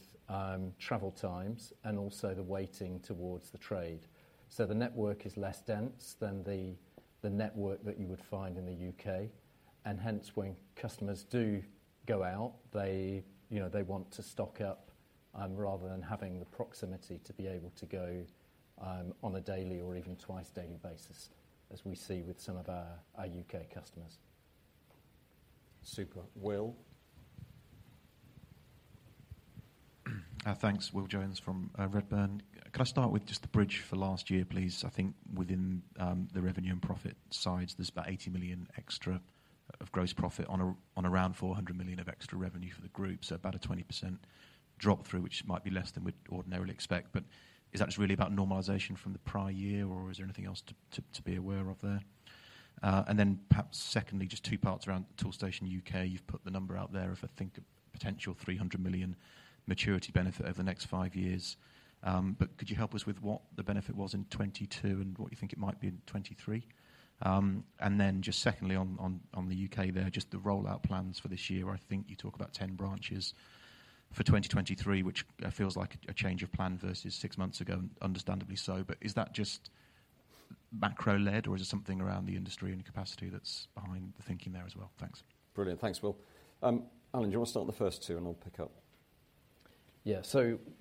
travel times and also the weighting towards the trade. The network is less dense than the network that you would find in the UK and hence when customers do go out, they, you know, they want to stock up, rather than having the proximity to be able to go, on a daily or even twice daily basis, as we see with some of our UK customers. Super. Will? Thanks. Will Jones from Redburn. Could I start with just the bridge for last year, please? I think within the revenue and profit sides, there's about 80 million extra of gross profit on around 400 million of extra revenue for the group, so about a 20% drop through, which might be less than we'd ordinarily expect. Is that just really about normalization from the prior year, or is there anything else to be aware of there? Perhaps secondly, just two parts around the Toolstation UK. You've put the number out there of I think a potential 300 million maturity benefit over the next five years. Could you help us with what the benefit was in 2022 and what you think it might be in 2023? Just secondly on the UK there, just the rollout plans for this year. I think you talk about 10 branches for 2023, which feels like a change of plan versus 6 months ago, and understandably so. Is that just macro-led or is it something around the industry and capacity that's behind the thinking there as well? Thanks. Brilliant. Thanks, Will. Alan, do you wanna start the first two, and I'll pick up? Yeah.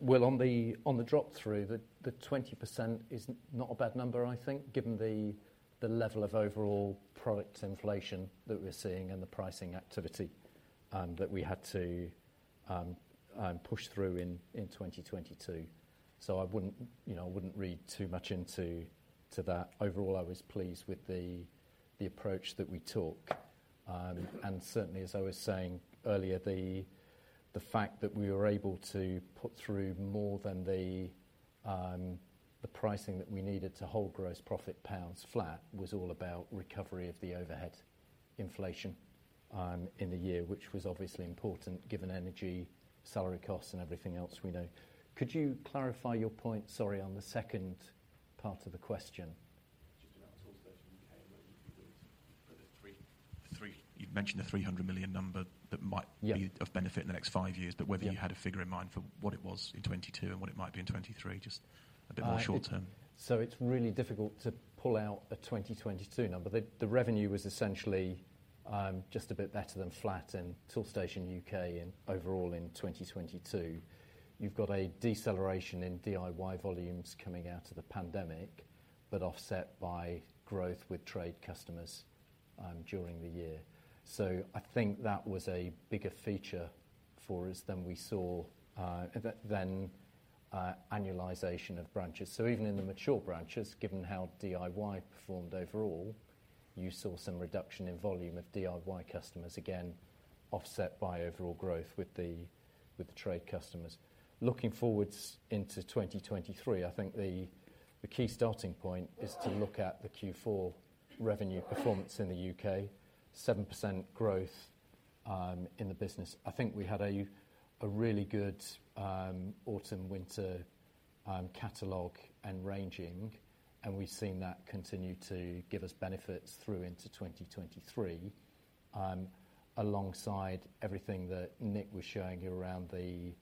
Will, on the drop through, the 20% is not a bad number, I think, given the level of overall product inflation that we're seeing and the pricing activity that we had to push through in 2022. I wouldn't, you know, I wouldn't read too much into that. Overall, I was pleased with the approach that we took. Certainly, as I was saying earlier, the fact that we were able to put through more than the pricing that we needed to hold gross profit pounds flat was all about recovery of the overhead inflation in the year, which was obviously important given energy, salary costs, and everything else we know. Could you clarify your point, sorry, on the second part of the question? Just about Toolstation UK. You've mentioned the 300 million number. Yeah Be of benefit in the next five years. Yeah. Whether you had a figure in mind for what it was in 2022 and what it might be in 2023, just a bit more short term. So it's really difficult to pull out a 2022 number. The revenue was essentially just a bit better than flat in Toolstation UK in overall in 2022. You've got a deceleration in DIY volumes coming out of the pandemic, but offset by growth with trade customers during the year. I think that was a bigger feature for us than we saw than annualization of branches. Even in the mature branches, given how DIY performed overall, you saw some reduction in volume of DIY customers, again offset by overall growth with the trade customers. Looking forwards into 2023, I think the key starting point is to look at the Q4 revenue performance in the UK, 7% growth in the business. I think we had a really good autumn/winter catalog and ranging, and we've seen that continue to give us benefits through into 2023, alongside everything that Nick was showing you around the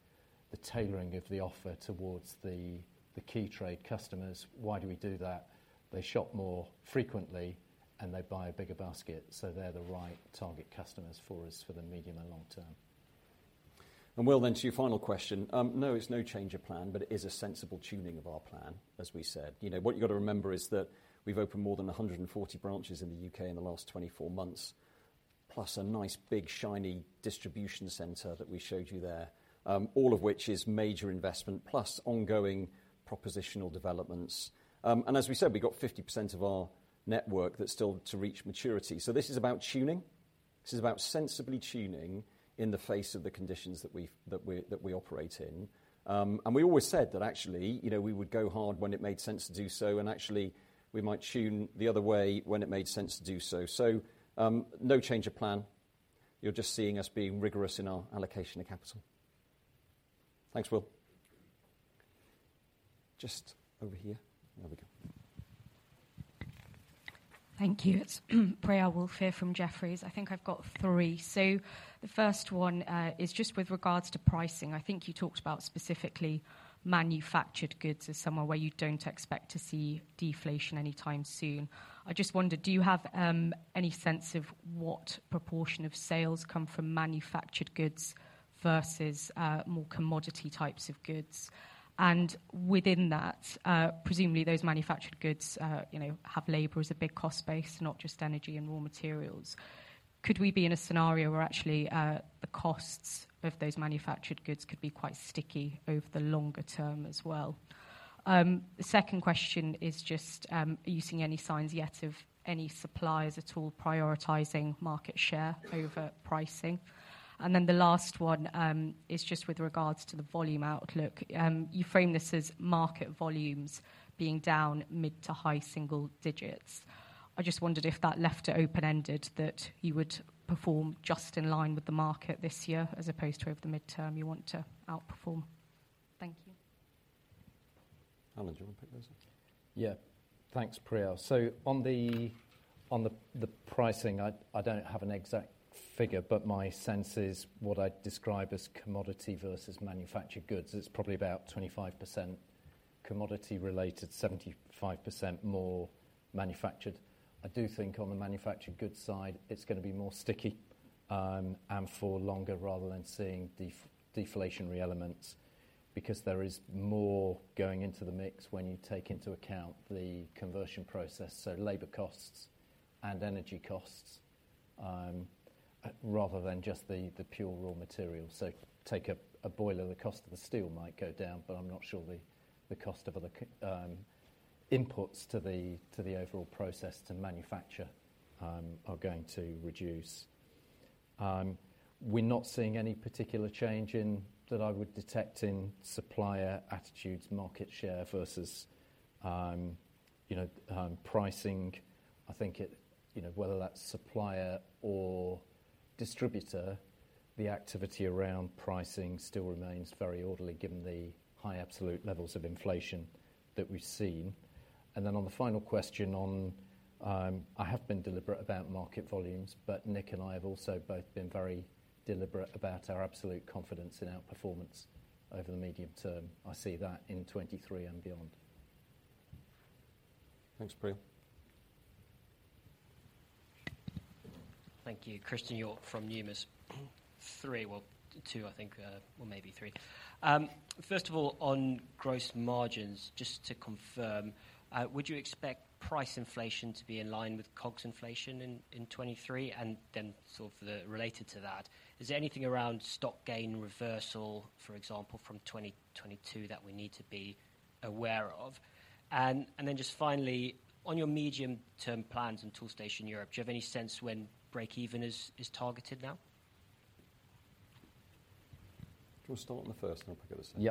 tailoring of the offer towards the key trade customers. Why do we do that? They shop more frequently, and they buy a bigger basket, so they're the right target customers for us, for the medium and long term. Will, then to your final question, no, it's no change of plan, but it is a sensible tuning of our plan, as we said. You know, what you've got to remember is that we've opened more than 140 branches in the U.K. in the last 24 months, plus a nice, big, shiny distribution center that we showed you there, all of which is major investment plus ongoing propositional developments. As we said, we've got 50% of our network that's still to reach maturity. This is about tuning. This is about sensibly tuning in the face of the conditions that we operate in. We always said that actually, you know, we would go hard when it made sense to do so, and actually we might tune the other way when it made sense to do so. No change of plan. You're just seeing us being rigorous in our allocation of capital. Thanks, Will. Just over here. There we go. Thank you. It's Priyal Woolf here from Jefferies. I think I've got three. The first one is just with regards to pricing. I think you talked about specifically manufactured goods as somewhere where you don't expect to see deflation anytime soon. I just wondered, do you have any sense of what proportion of sales come from manufactured goods versus more commodity types of goods? And within that- Presumably those manufactured goods, you know, have labor as a big cost base, not just energy and raw materials. Could we be in a scenario where actually, the costs of those manufactured goods could be quite sticky over the longer term as well? The second question is just, are you seeing any signs yet of any suppliers at all prioritizing market share over pricing? The last one is just with regards to the volume outlook. You frame this as market volumes being down mid- to high-single digits. I just wondered if that left it open-ended that you would perform just in line with the market this year, as opposed to over the midterm you want to outperform. Thank you. Alan, do you want to pick this up? Yeah. Thanks, Priyal. So on the pricing, I don't have an exact figure, but my sense is what I'd describe as commodity versus manufactured goods is probably about 25% commodity-related, 75% more manufactured. I do think on the manufactured goods side, it's gonna be more sticky, and for longer rather than seeing deflationary elements. There is more going into the mix when you take into account the conversion process, so labor costs and energy costs, rather than just the pure raw materials. So take a boiler, the cost of the steel might go down, but I'm not sure the cost of other inputs to the overall process to manufacture, are going to reduce. We're not seeing any particular change in, that I would detect in supplier attitudes, market share versus, you know, pricing. I think it, you know, whether that's supplier or distributor, the activity around pricing still remains very orderly given the high absolute levels of inflation that we've seen. On the final question on, I have been deliberate about market volumes, but Nick and I have also both been very deliberate about our absolute confidence in our performance over the medium term. I see that in 23 and beyond. Thanks, Priyal. Thank you. Christen Hjorth from Numis. Three, well, two, I think, well, maybe three. First of all, on gross margins, just to confirm, would you expect price inflation to be in line with COGS inflation in 2023? Sort of the, related to that, is there anything around stock gain reversal, for example, from 2022 that we need to be aware of? Just finally, on your medium-term plans in Toolstation Europe, do you have any sense when break-even is targeted now? Do you want to start on the first and I'll pick up the second?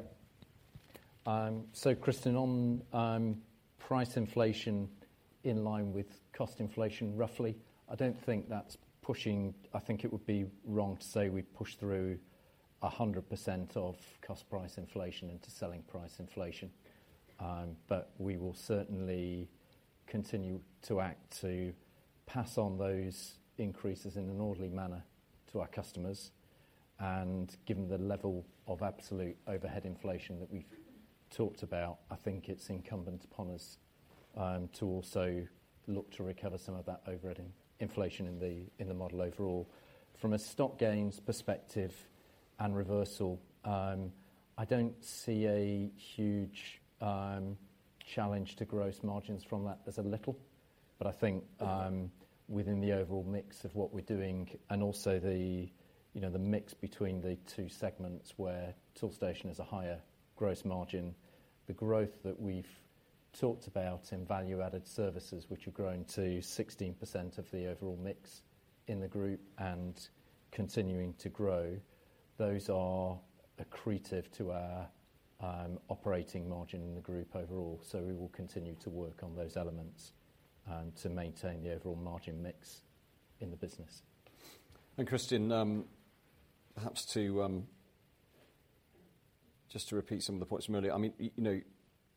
Yep. Christen, on, price inflation in line with cost inflation, roughly, I don't think that's pushing. I think it would be wrong to say we push through 100% of cost price inflation into selling price inflation. We will certainly continue to act to pass on those increases in an orderly manner to our customers. Given the level of absolute overhead inflation that we've talked about, I think it's incumbent upon us, to also look to recover some of that overhead inflation in the, in the model overall. From a stock gains perspective and reversal, I don't see a huge, challenge to gross margins from that. There's a little, but I think, within the overall mix of what we're doing and also the mix between the two segments where Toolstation has a higher gross margin. The growth that we've talked about in value-added services, which have grown to 16% of the overall mix in the group and continuing to grow, those are accretive to our operating margin in the group overall. We will continue to work on those elements and to maintain the overall margin mix in the business. Christen, perhaps to just to repeat some of the points from earlier. I mean, you know,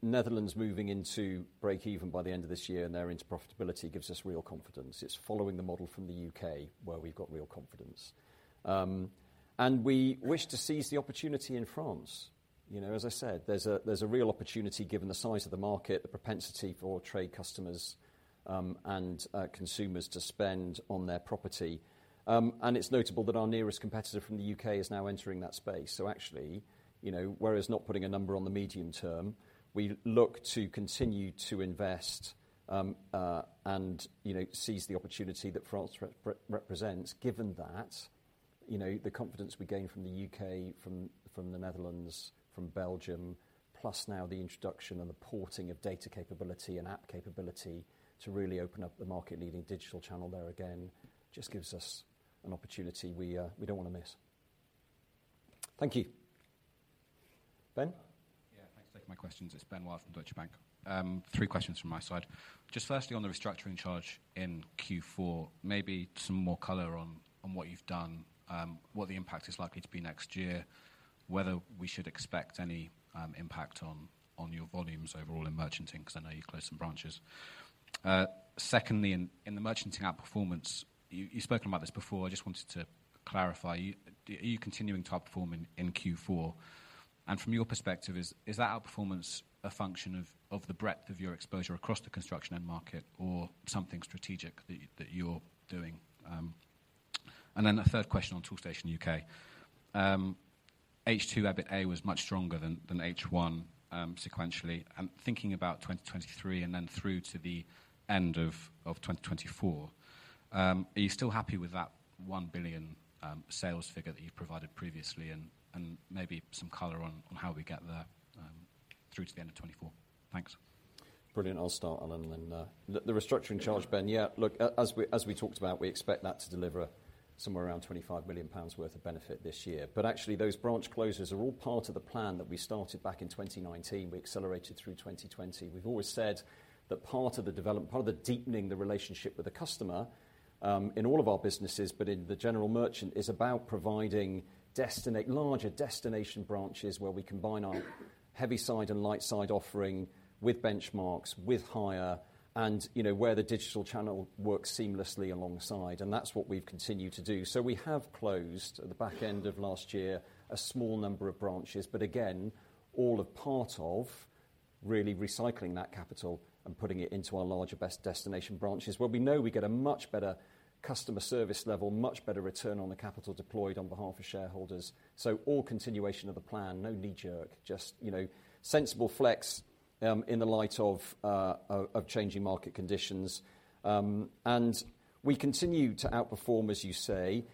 Netherlands moving into break even by the end of this year and they're into profitability gives us real confidence. It's following the model from the UK where we've got real confidence. We wish to seize the opportunity in France. You know, as I said, there's a real opportunity given the size of the market, the propensity for trade customers, and consumers to spend on their property. It's notable that our nearest competitor from the UK is now entering that space. Actually, you know, whereas not putting a number on the medium term, we look to continue to invest and, you know, seize the opportunity that France represents. Given that, you know, the confidence we're gaining from the UK, from the Netherlands, from Belgium, plus now the introduction and the porting of data capability and app capability to really open up the market-leading digital channel there again, just gives us an opportunity we don't wanna miss. Thank you. Ben? Yeah. Thanks for taking my questions. It's Ben Wild from Deutsche Bank. 3 questions from my side. Just firstly, on the restructuring charge in Q4, maybe some more color on what you've done, what the impact is likely to be next year, whether we should expect any impact on your volumes overall in merchanting, 'cause I know you closed some branches. Secondly, in the merchanting outperformance, you've spoken about this before. I just wanted to clarify. Are you, are you continuing to outperform in Q4? From your perspective, is that outperformance a function of the breadth of your exposure across the construction end market or something strategic that you're doing. Then a third question on Toolstation UK. H2 EBITA was much stronger than H1, sequentially. I'm thinking about 2023 and then through to the end of 2024. Are you still happy with that 1 billion sales figure that you've provided previously? Maybe some color on how we get there through to the end of 2024. Thanks. Brilliant. I'll start, Alan. The restructuring charge, Ben, yeah. Look, as we talked about, we expect that to deliver somewhere around 25 million pounds worth of benefit this year. Actually those branch closures are all part of the plan that we started back in 2019. We accelerated through 2020. We've always said that part of the deepening the relationship with the customer, in all of our businesses, but in the General Merchant, is about providing larger destination branches where we combine our Heavy Side and Light Side offering with Benchmarx, with hire, and, you know, where the digital channel works seamlessly alongside. That's what we've continued to do. We have closed at the back end of last year a small number of branches, but again, all a part of really recycling that capital and putting it into our larger best destination branches where we know we get a much better customer service level, much better return on the capital deployed on behalf of shareholders. All continuation of the plan. No knee jerk, just, you know, sensible flex in the light of changing market conditions. We continue to outperform, as you say.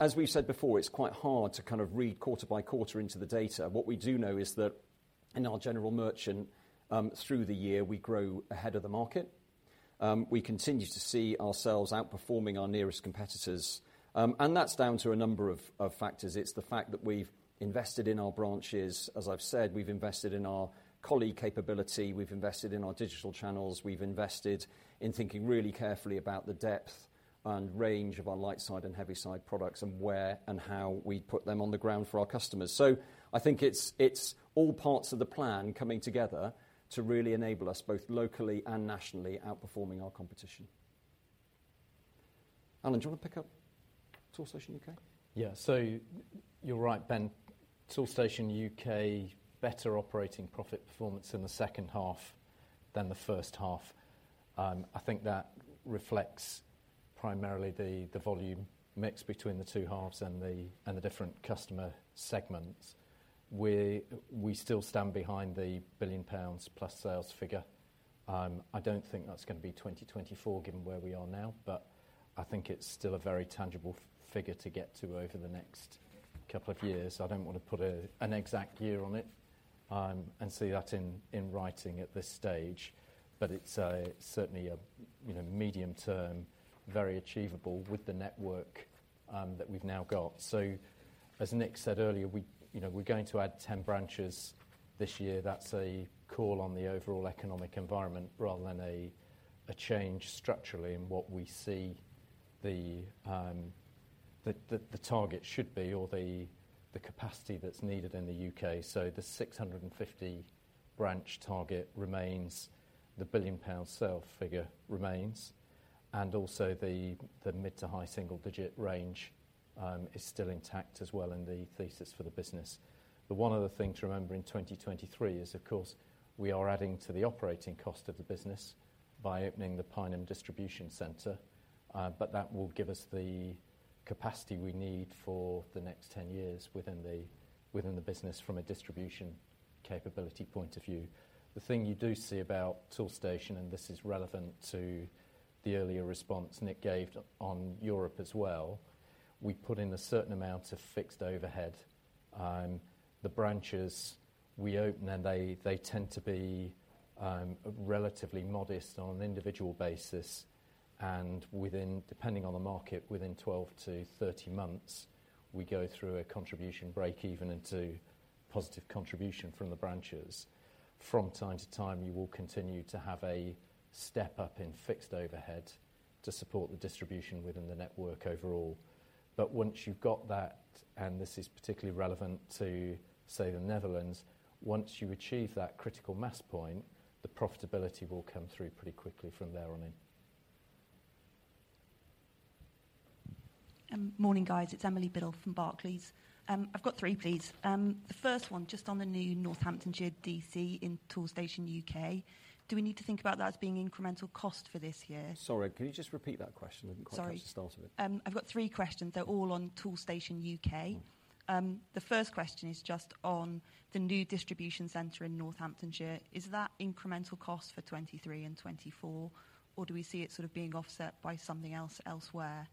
As we've said before, it's quite hard to kind of read quarter by quarter into the data. What we do know is that in our General Merchant, through the year, we grow ahead of the market. We continue to see ourselves outperforming our nearest competitors. That's down to a number of factors. It's the fact that we've invested in our branches. As I've said, we've invested in our colleague capability. We've invested in our digital channels. We've invested in thinking really carefully about the depth and range of our light side and heavy side products and where and how we put them on the ground for our customers. I think it's all parts of the plan coming together to really enable us both locally and nationally outperforming our competition. Alan, do you wanna pick up Toolstation UK? Yeah. You're right, Ben. Toolstation UK, better operating profit performance in the second half than the first half. I think that reflects primarily the volume mix between the two halves and the different customer segments. We still stand behind the 1 billion pounds plus sales figure. I don't think that's gonna be 2024 given where we are now, but I think it's still a very tangible figure to get to over the next couple of years. I don't wanna put an exact year on it and say that in writing at this stage, but it's certainly a, you know, medium term, very achievable with the network that we've now got. As Nick said earlier, we, you know, we're going to add 10 branches this year. That's a call on the overall economic environment rather than a change structurally in what we see the target should be or the capacity that's needed in the UK. The 650 branch target remains, the 1 billion pound sale figure remains, and also the mid to high single-digit range is still intact as well in the thesis for the business. The one other thing to remember in 2023 is of course, we are adding to the operating cost of the business by opening the Pineham distribution center, but that will give us the capacity we need for the next 10 years within the business from a distribution capability point of view. The thing you do see about Toolstation, and this is relevant to the earlier response Nick gave on Europe as well, we put in a certain amount of fixed overhead. The branches we open and they tend to be relatively modest on an individual basis and within, depending on the market, within 12-13 months, we go through a contribution break even into positive contribution from the branches. From time to time, you will continue to have a step up in fixed overhead to support the distribution within the network overall. Once you've got that, and this is particularly relevant to, say, the Netherlands, once you achieve that critical mass point, the profitability will come through pretty quickly from there on in. Morning, guys. It's Emily Biddle from Barclays. I've got 3, please. The first one, just on the new Northamptonshire D.C. in Toolstation U.K. Do we need to think about that as being incremental cost for this year? Sorry, can you just repeat that question? Sorry. I didn't quite-catch the start of it. I've got three questions. They're all on Toolstation UK. The first question is just on the new distribution center in Northamptonshire. Is that incremental cost for 23 and 24, or do we see it sort of being offset by something else elsewhere?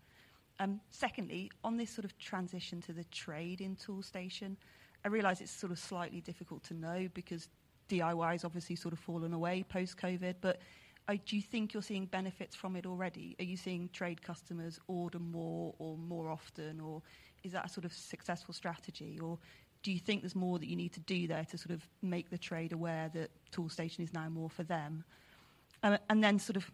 Secondly, on this sort of transition to the trade in Toolstation, I realize it's sort of slightly difficult to know because DIY has obviously sort of fallen away post-COVID, but do you think you're seeing benefits from it already? Are you seeing trade customers order more or more often, or is that a sort of successful strategy? Do you think there's more that you need to do there to sort of make the trade aware that Toolstation is now more for them? Sort of,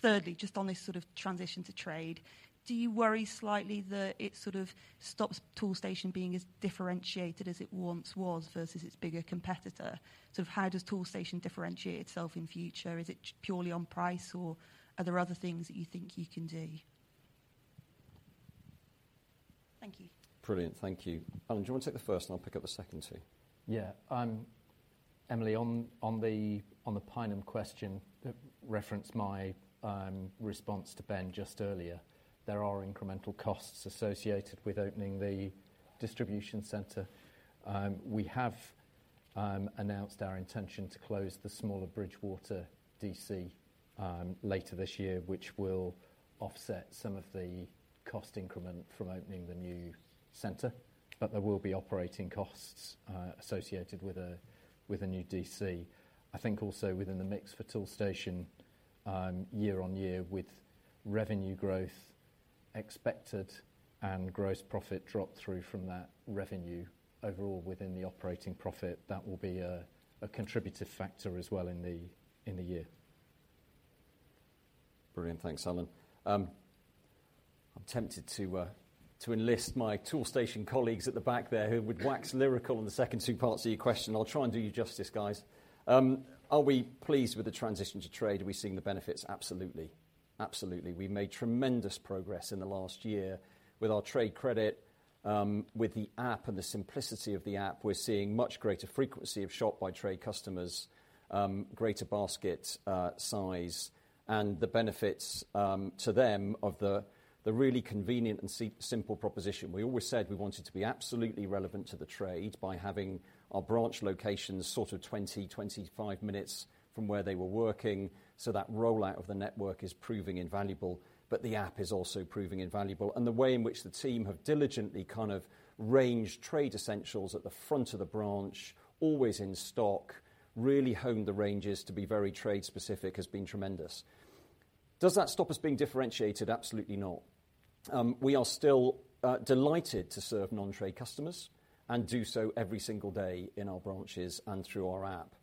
thirdly, just on this sort of transition to trade, do you worry slightly that it sort of stops Toolstation being as differentiated as it once was versus its bigger competitor? Sort of how does Toolstation differentiate itself in future? Is it purely on price or are there other things that you think you can do? Thank you. Brilliant. Thank you. Alan, do you want to take the first, and I'll pick up the second 2? Yeah. Emily, on the, on the Pineham question that referenced my response to Ben just earlier, there are incremental costs associated with opening the distribution center. We have announced our intention to close the smaller Bridgwater DC later this year, which will offset some of the cost increment from opening the new center. There will be operating costs associated with a new DC. I think also within the mix for Toolstation, year on year with revenue growth expected and gross profit drop through from that revenue overall within the operating profit, that will be a contributive factor as well in the year. Brilliant. Thanks, Alan. I'm tempted to enlist my Toolstation colleagues at the back there who would wax lyrical on the second two parts of your question. I'll try and do you justice, guys. Are we pleased with the transition to trade? Are we seeing the benefits? Absolutely. Absolutely. We made tremendous progress in the last year with our trade credit, with the app and the simplicity of the app. We're seeing much greater frequency of shop by trade customers, greater basket size and the benefits to them of the really convenient and simple proposition. We always said we wanted to be absolutely relevant to the trade by having our branch locations sort of 20-25 minutes from where they were working, so that rollout of the network is proving invaluable. The app is also proving invaluable, and the way in which the team have diligently kind of ranged trade essentials at the front of the branch, always in stock, really honed the ranges to be very trade specific, has been tremendous. Does that stop us being differentiated? Absolutely not. We are still delighted to serve non-trade customers and do so every single day in our branches and through our app.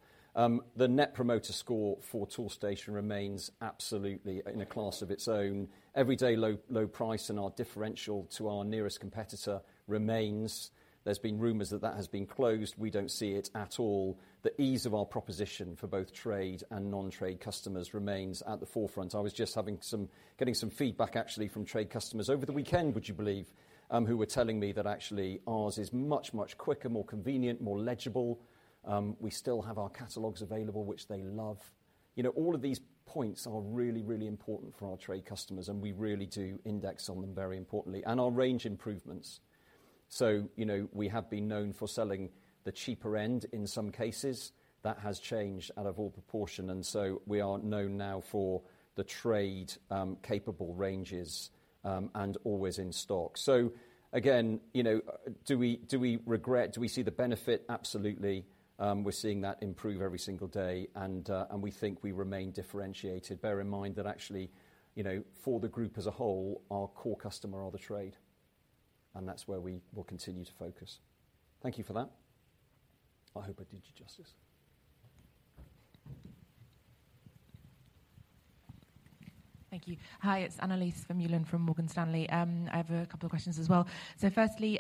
The Net Promoter Score for Toolstation remains absolutely in a class of its own. Everyday low, low price and our differential to our nearest competitor remains. There's been rumors that that has been closed. We don't see it at all. The ease of our proposition for both trade and non-trade customers remains at the forefront. I was just getting some feedback actually from trade customers over the weekend, would you believe, who were telling me that actually ours is much, much quicker, more convenient, more legible. We still have our catalogs available, which they love. You know, all of these points are really, really important for our trade customers, we really do index on them very importantly. Our range improvements. You know, we have been known for selling the cheaper end in some cases. That has changed out of all proportion, we are known now for the trade capable ranges and always in stock. Again, you know, do we regret? Do we see the benefit? Absolutely. We're seeing that improve every single day. We think we remain differentiated. Bear in mind that actually, you know, for the group as a whole, our core customer are the trade. That's where we will continue to focus. Thank you for that. I hope I did you justice. Thank you. Hi, it's Annelies van der Oost from Morgan Stanley. I have 2 questions as well. Firstly,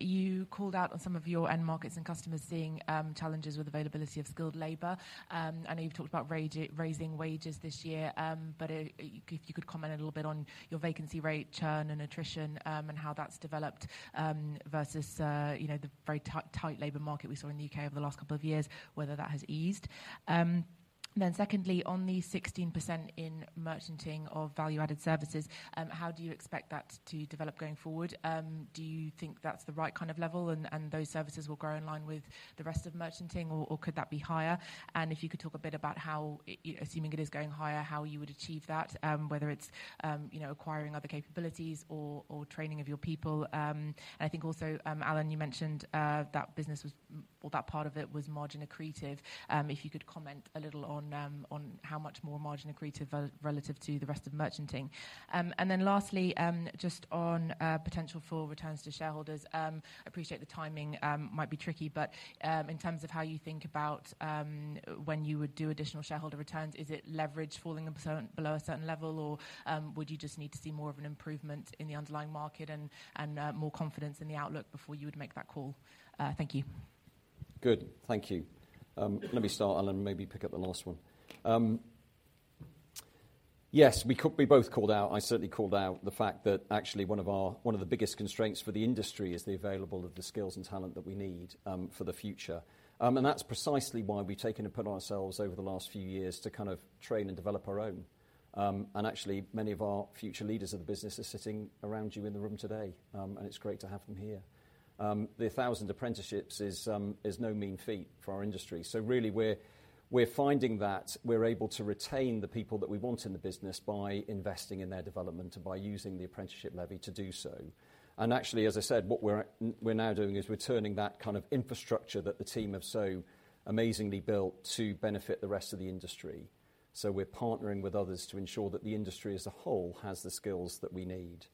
you called out on some of your end markets and customers seeing challenges with availability of skilled labor. I know you've talked about raising wages this year, but if you could comment a little bit on your vacancy rate churn and attrition, and how that's developed versus the very tight labor market we saw in the U.K. over the last 2 years, whether that has eased. Secondly, on the 16% in merchanting of value-added services, how do you expect that to develop going forward? Do you think that's the right kind of level, and those services will grow in line with the rest of merchanting or could that be higher? If you could talk a bit about how, assuming it is going higher, how you would achieve that, whether it's, you know, acquiring other capabilities or training of your people. I think also, Alan, you mentioned that business or that part of it was margin accretive. If you could comment a little on how much more margin accretive relative to the rest of merchanting. Then lastly, just on potential for returns to shareholders, I appreciate the timing might be tricky, but in terms of how you think about when you would do additional shareholder returns, is it leverage falling below a certain level, or would you just need to see more of an improvement in the underlying market and more confidence in the outlook before you would make that call? Thank you. Good. Thank you. Let me start, Alan, maybe pick up the last one. Yes, we both called out, I certainly called out the fact that actually one of our, one of the biggest constraints for the industry is the available of the skills and talent that we need for the future. That's precisely why we've taken it upon ourselves over the last few years to kind of train and develop our own. Actually, many of our future leaders of the business are sitting around you in the room today. It's great to have them here. The 1,000 apprenticeships is no mean feat for our industry. Really, we're finding that we're able to retain the people that we want in the business by investing in their development and by using the Apprenticeship Levy to do so. As I said, what we're now doing is we're turning that kind of infrastructure that the team have so amazingly built to benefit the rest of the industry. We're partnering with others to ensure that the industry as a whole has the skills that we need.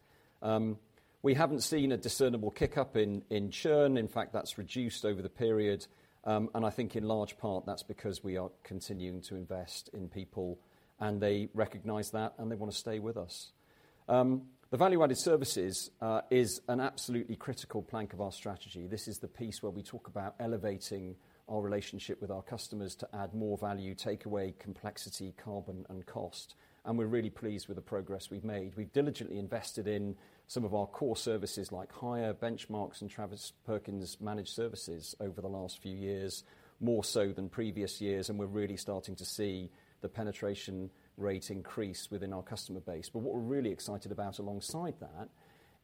We haven't seen a discernible kick-up in churn. In fact, that's reduced over the period. I think in large part, that's because we are continuing to invest in people, and they recognize that, and they want to stay with us. The value-added services is an absolutely critical plank of our strategy. This is the piece where we talk about elevating our relationship with our customers to add more value, take away complexity, carbon and cost. We're really pleased with the progress we've made. We've diligently invested in some of our core services like Hire, Benchmarx and Travis Perkins Managed Services over the last few years, more so than previous years. We're really starting to see the penetration rate increase within our customer base. What we're really excited about alongside that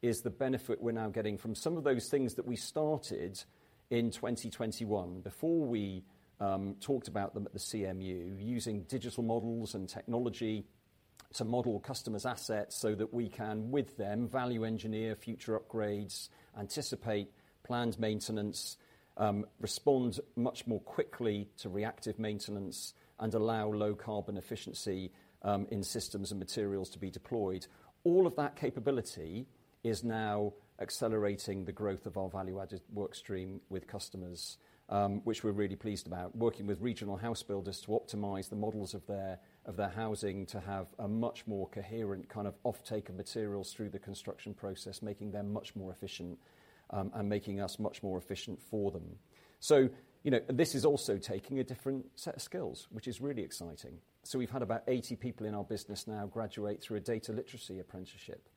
is the benefit we're now getting from some of those things that we started in 2021 before we talked about them at the CMU. Using digital models and technology to model customers assets so that we can, with them, value engineer future upgrades, anticipate planned maintenance, respond much more quickly to reactive maintenance and allow low carbon efficiency in systems and materials to be deployed. All of that capability is now accelerating the growth of our value-added work stream with customers, which we're really pleased about. Working with regional house builders to optimize the models of their, of their housing to have a much more coherent kind of offtake of materials through the construction process, making them much more efficient, and making us much more efficient for them. You know, this is also taking a different set of skills, which is really exciting. We've had about 80 people in our business now graduate through a data literacy apprenticeship.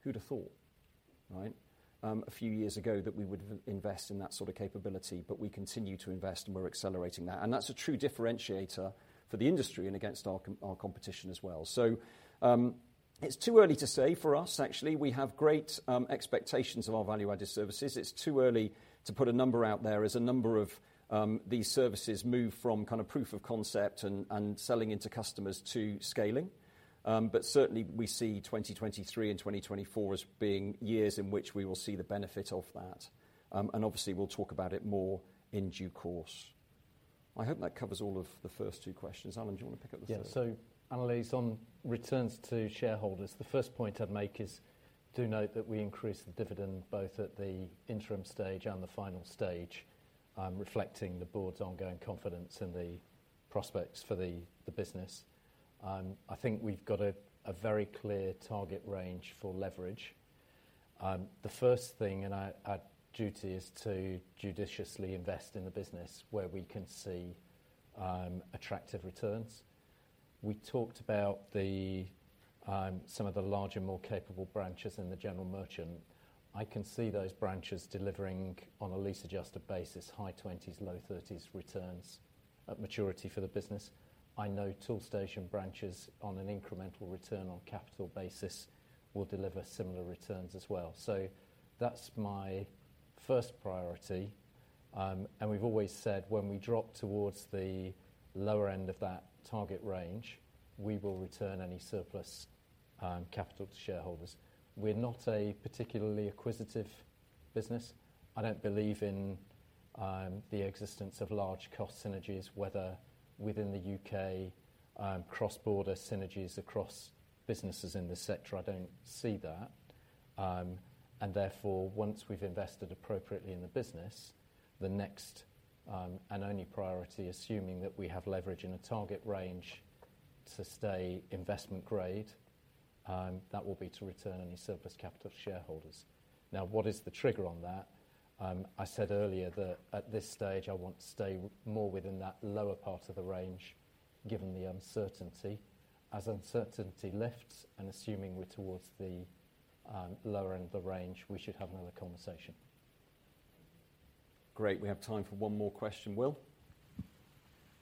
Who'd have thought, right, a few years ago that we would invest in that sort of capability, but we continue to invest and we're accelerating that. That's a true differentiator for the industry and against our competition as well. It's too early to say for us, actually. We have great expectations of our value-added services. It's too early to put a number out there as a number of these services move from kind of proof of concept and selling into customers to scaling. Certainly we see 2023 and 2024 as being years in which we will see the benefit of that. Obviously we'll talk about it more in due course. I hope that covers all of the first two questions. Alan, do you want to pick up the third? Yeah. Annelies, on returns to shareholders, the first point I'd make is do note that we increased the dividend both at the interim stage and the final stage, reflecting the board's ongoing confidence in the prospects for the business. I think we've got a very clear target range for leverage. The first thing, and our duty, is to judiciously invest in the business where we can see attractive returns. We talked about the some of the larger, more capable branches in the general merchant. I can see those branches delivering on a lease adjusted basis, high 20s, low 30s returns at maturity for the business. I know Toolstation branches on an incremental return on capital basis will deliver similar returns as well. That's my first priority. We've always said when we drop towards the lower end of that target range, we will return any surplus capital to shareholders. We're not a particularly acquisitive business. I don't believe in the existence of large cost synergies, whether within the UK, cross-border synergies across businesses in this sector. I don't see that. Therefore, once we've invested appropriately in the business, the next and only priority, assuming that we have leverage in a target range to stay investment-grade, that will be to return any surplus capital to shareholders. What is the trigger on that? I said earlier that at this stage, I want to stay more within that lower part of the range, given the uncertainty. As uncertainty lifts and assuming we're towards the lower end of the range, we should have another conversation. Great. We have time for one more question. Will?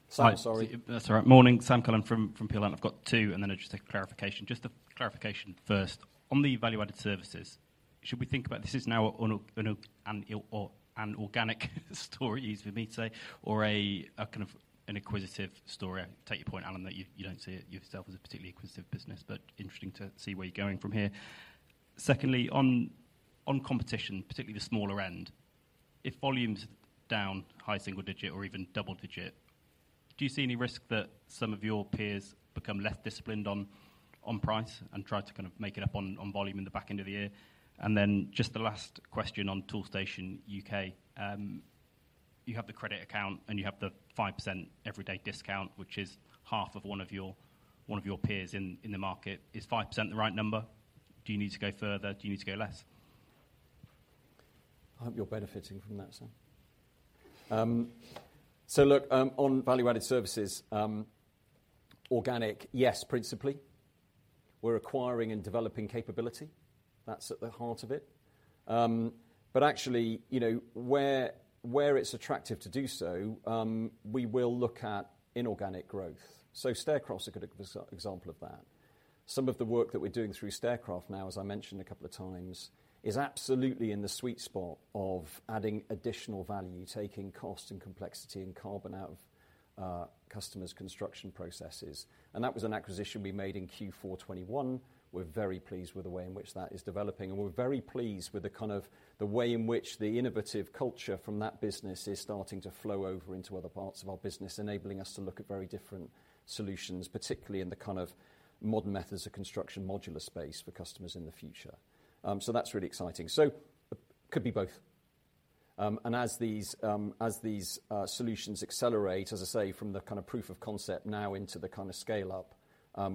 Sam, sorry. That's all right. Morning. Sam Cullen from Peel Hunt. I've got two. Just a clarification. Just a clarification first. On the value-added services, should we think about this is now or an organic story, easy for me to say, or a kind of an acquisitive story? I take your point, Alan, that you don't see it yourself as a particularly acquisitive business, but interesting to see where you're going from here. Secondly, on competition, particularly the smaller end, if volume's down high single digit or even double digit, do you see any risk that some of your peers become less disciplined on price and try to kind of make it up on volume in the back end of the year? Just the last question on Toolstation UK. You have the credit account and you have the 5% everyday discount, which is half of one of your, one of your peers in the market. Is 5% the right number? Do you need to go further? Do you need to go less? I hope you're benefiting from that, Sam. Look, on value-added services, organic, yes, principally. We're acquiring and developing capability. That's at the heart of it. Actually, you know, where it's attractive to do so, we will look at inorganic growth. Staircraft is a good example of that. Some of the work that we're doing through Staircraft now, as I mentioned a couple of times, is absolutely in the sweet spot of adding additional value, taking cost and complexity and carbon out of customers' construction processes. That was an acquisition we made in Q4 21. We're very pleased with the way in which that is developing. We're very pleased with the kind of the way in which the innovative culture from that business is starting to flow over into other parts of our business, enabling us to look at very different solutions, particularly in the kind of modern methods of construction modular space for customers in the future. So that's really exciting. Could be both. As these solutions accelerate, as I say, from the kind of proof of concept now into the kind of scale up,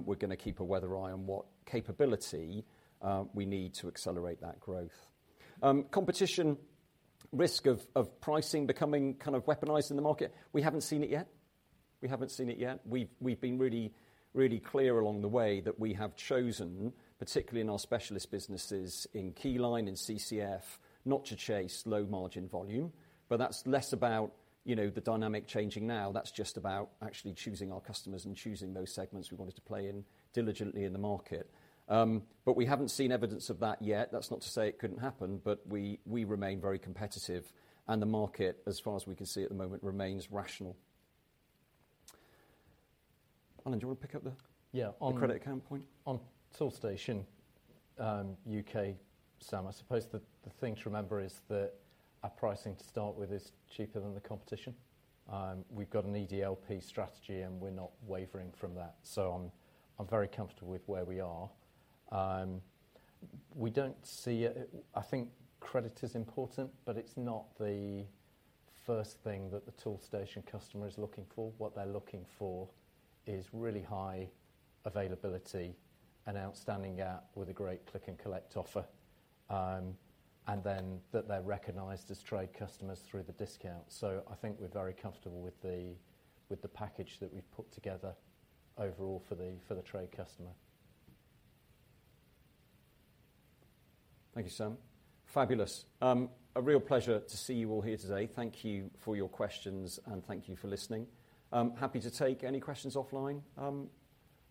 we're gonna keep a weather eye on what capability we need to accelerate that growth. Competition risk of pricing becoming kind of weaponized in the market. We haven't seen it yet. We haven't seen it yet. We've been really, really clear along the way that we have chosen, particularly in our specialist businesses in Keyline and CCF, not to chase low margin volume. That's less about, you know, the dynamic changing now. That's just about actually choosing our customers and choosing those segments we wanted to play in diligently in the market. We haven't seen evidence of that yet. That's not to say it couldn't happen. We remain very competitive and the market, as far as we can see at the moment, remains rational. Alan, do you wanna pick up? Yeah. the credit account point? On Toolstation, UK, Sam, I suppose the thing to remember is that our pricing to start with is cheaper than the competition. We've got an EDLP strategy, we're not wavering from that. I'm very comfortable with where we are. We don't see it. I think credit is important, but it's not the first thing that the Toolstation customer is looking for. What they're looking for is really high availability and outstanding gap with a great click and collect offer. That they're recognized as trade customers through the discount. I think we're very comfortable with the package that we've put together overall for the trade customer. Thank you, Sam. Fabulous. A real pleasure to see you all here today. Thank you for your questions. Thank you for listening. I'm happy to take any questions offline,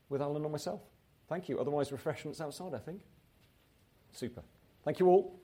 with Alan or myself. Thank you. Otherwise, refreshments outside, I think. Super. Thank you all.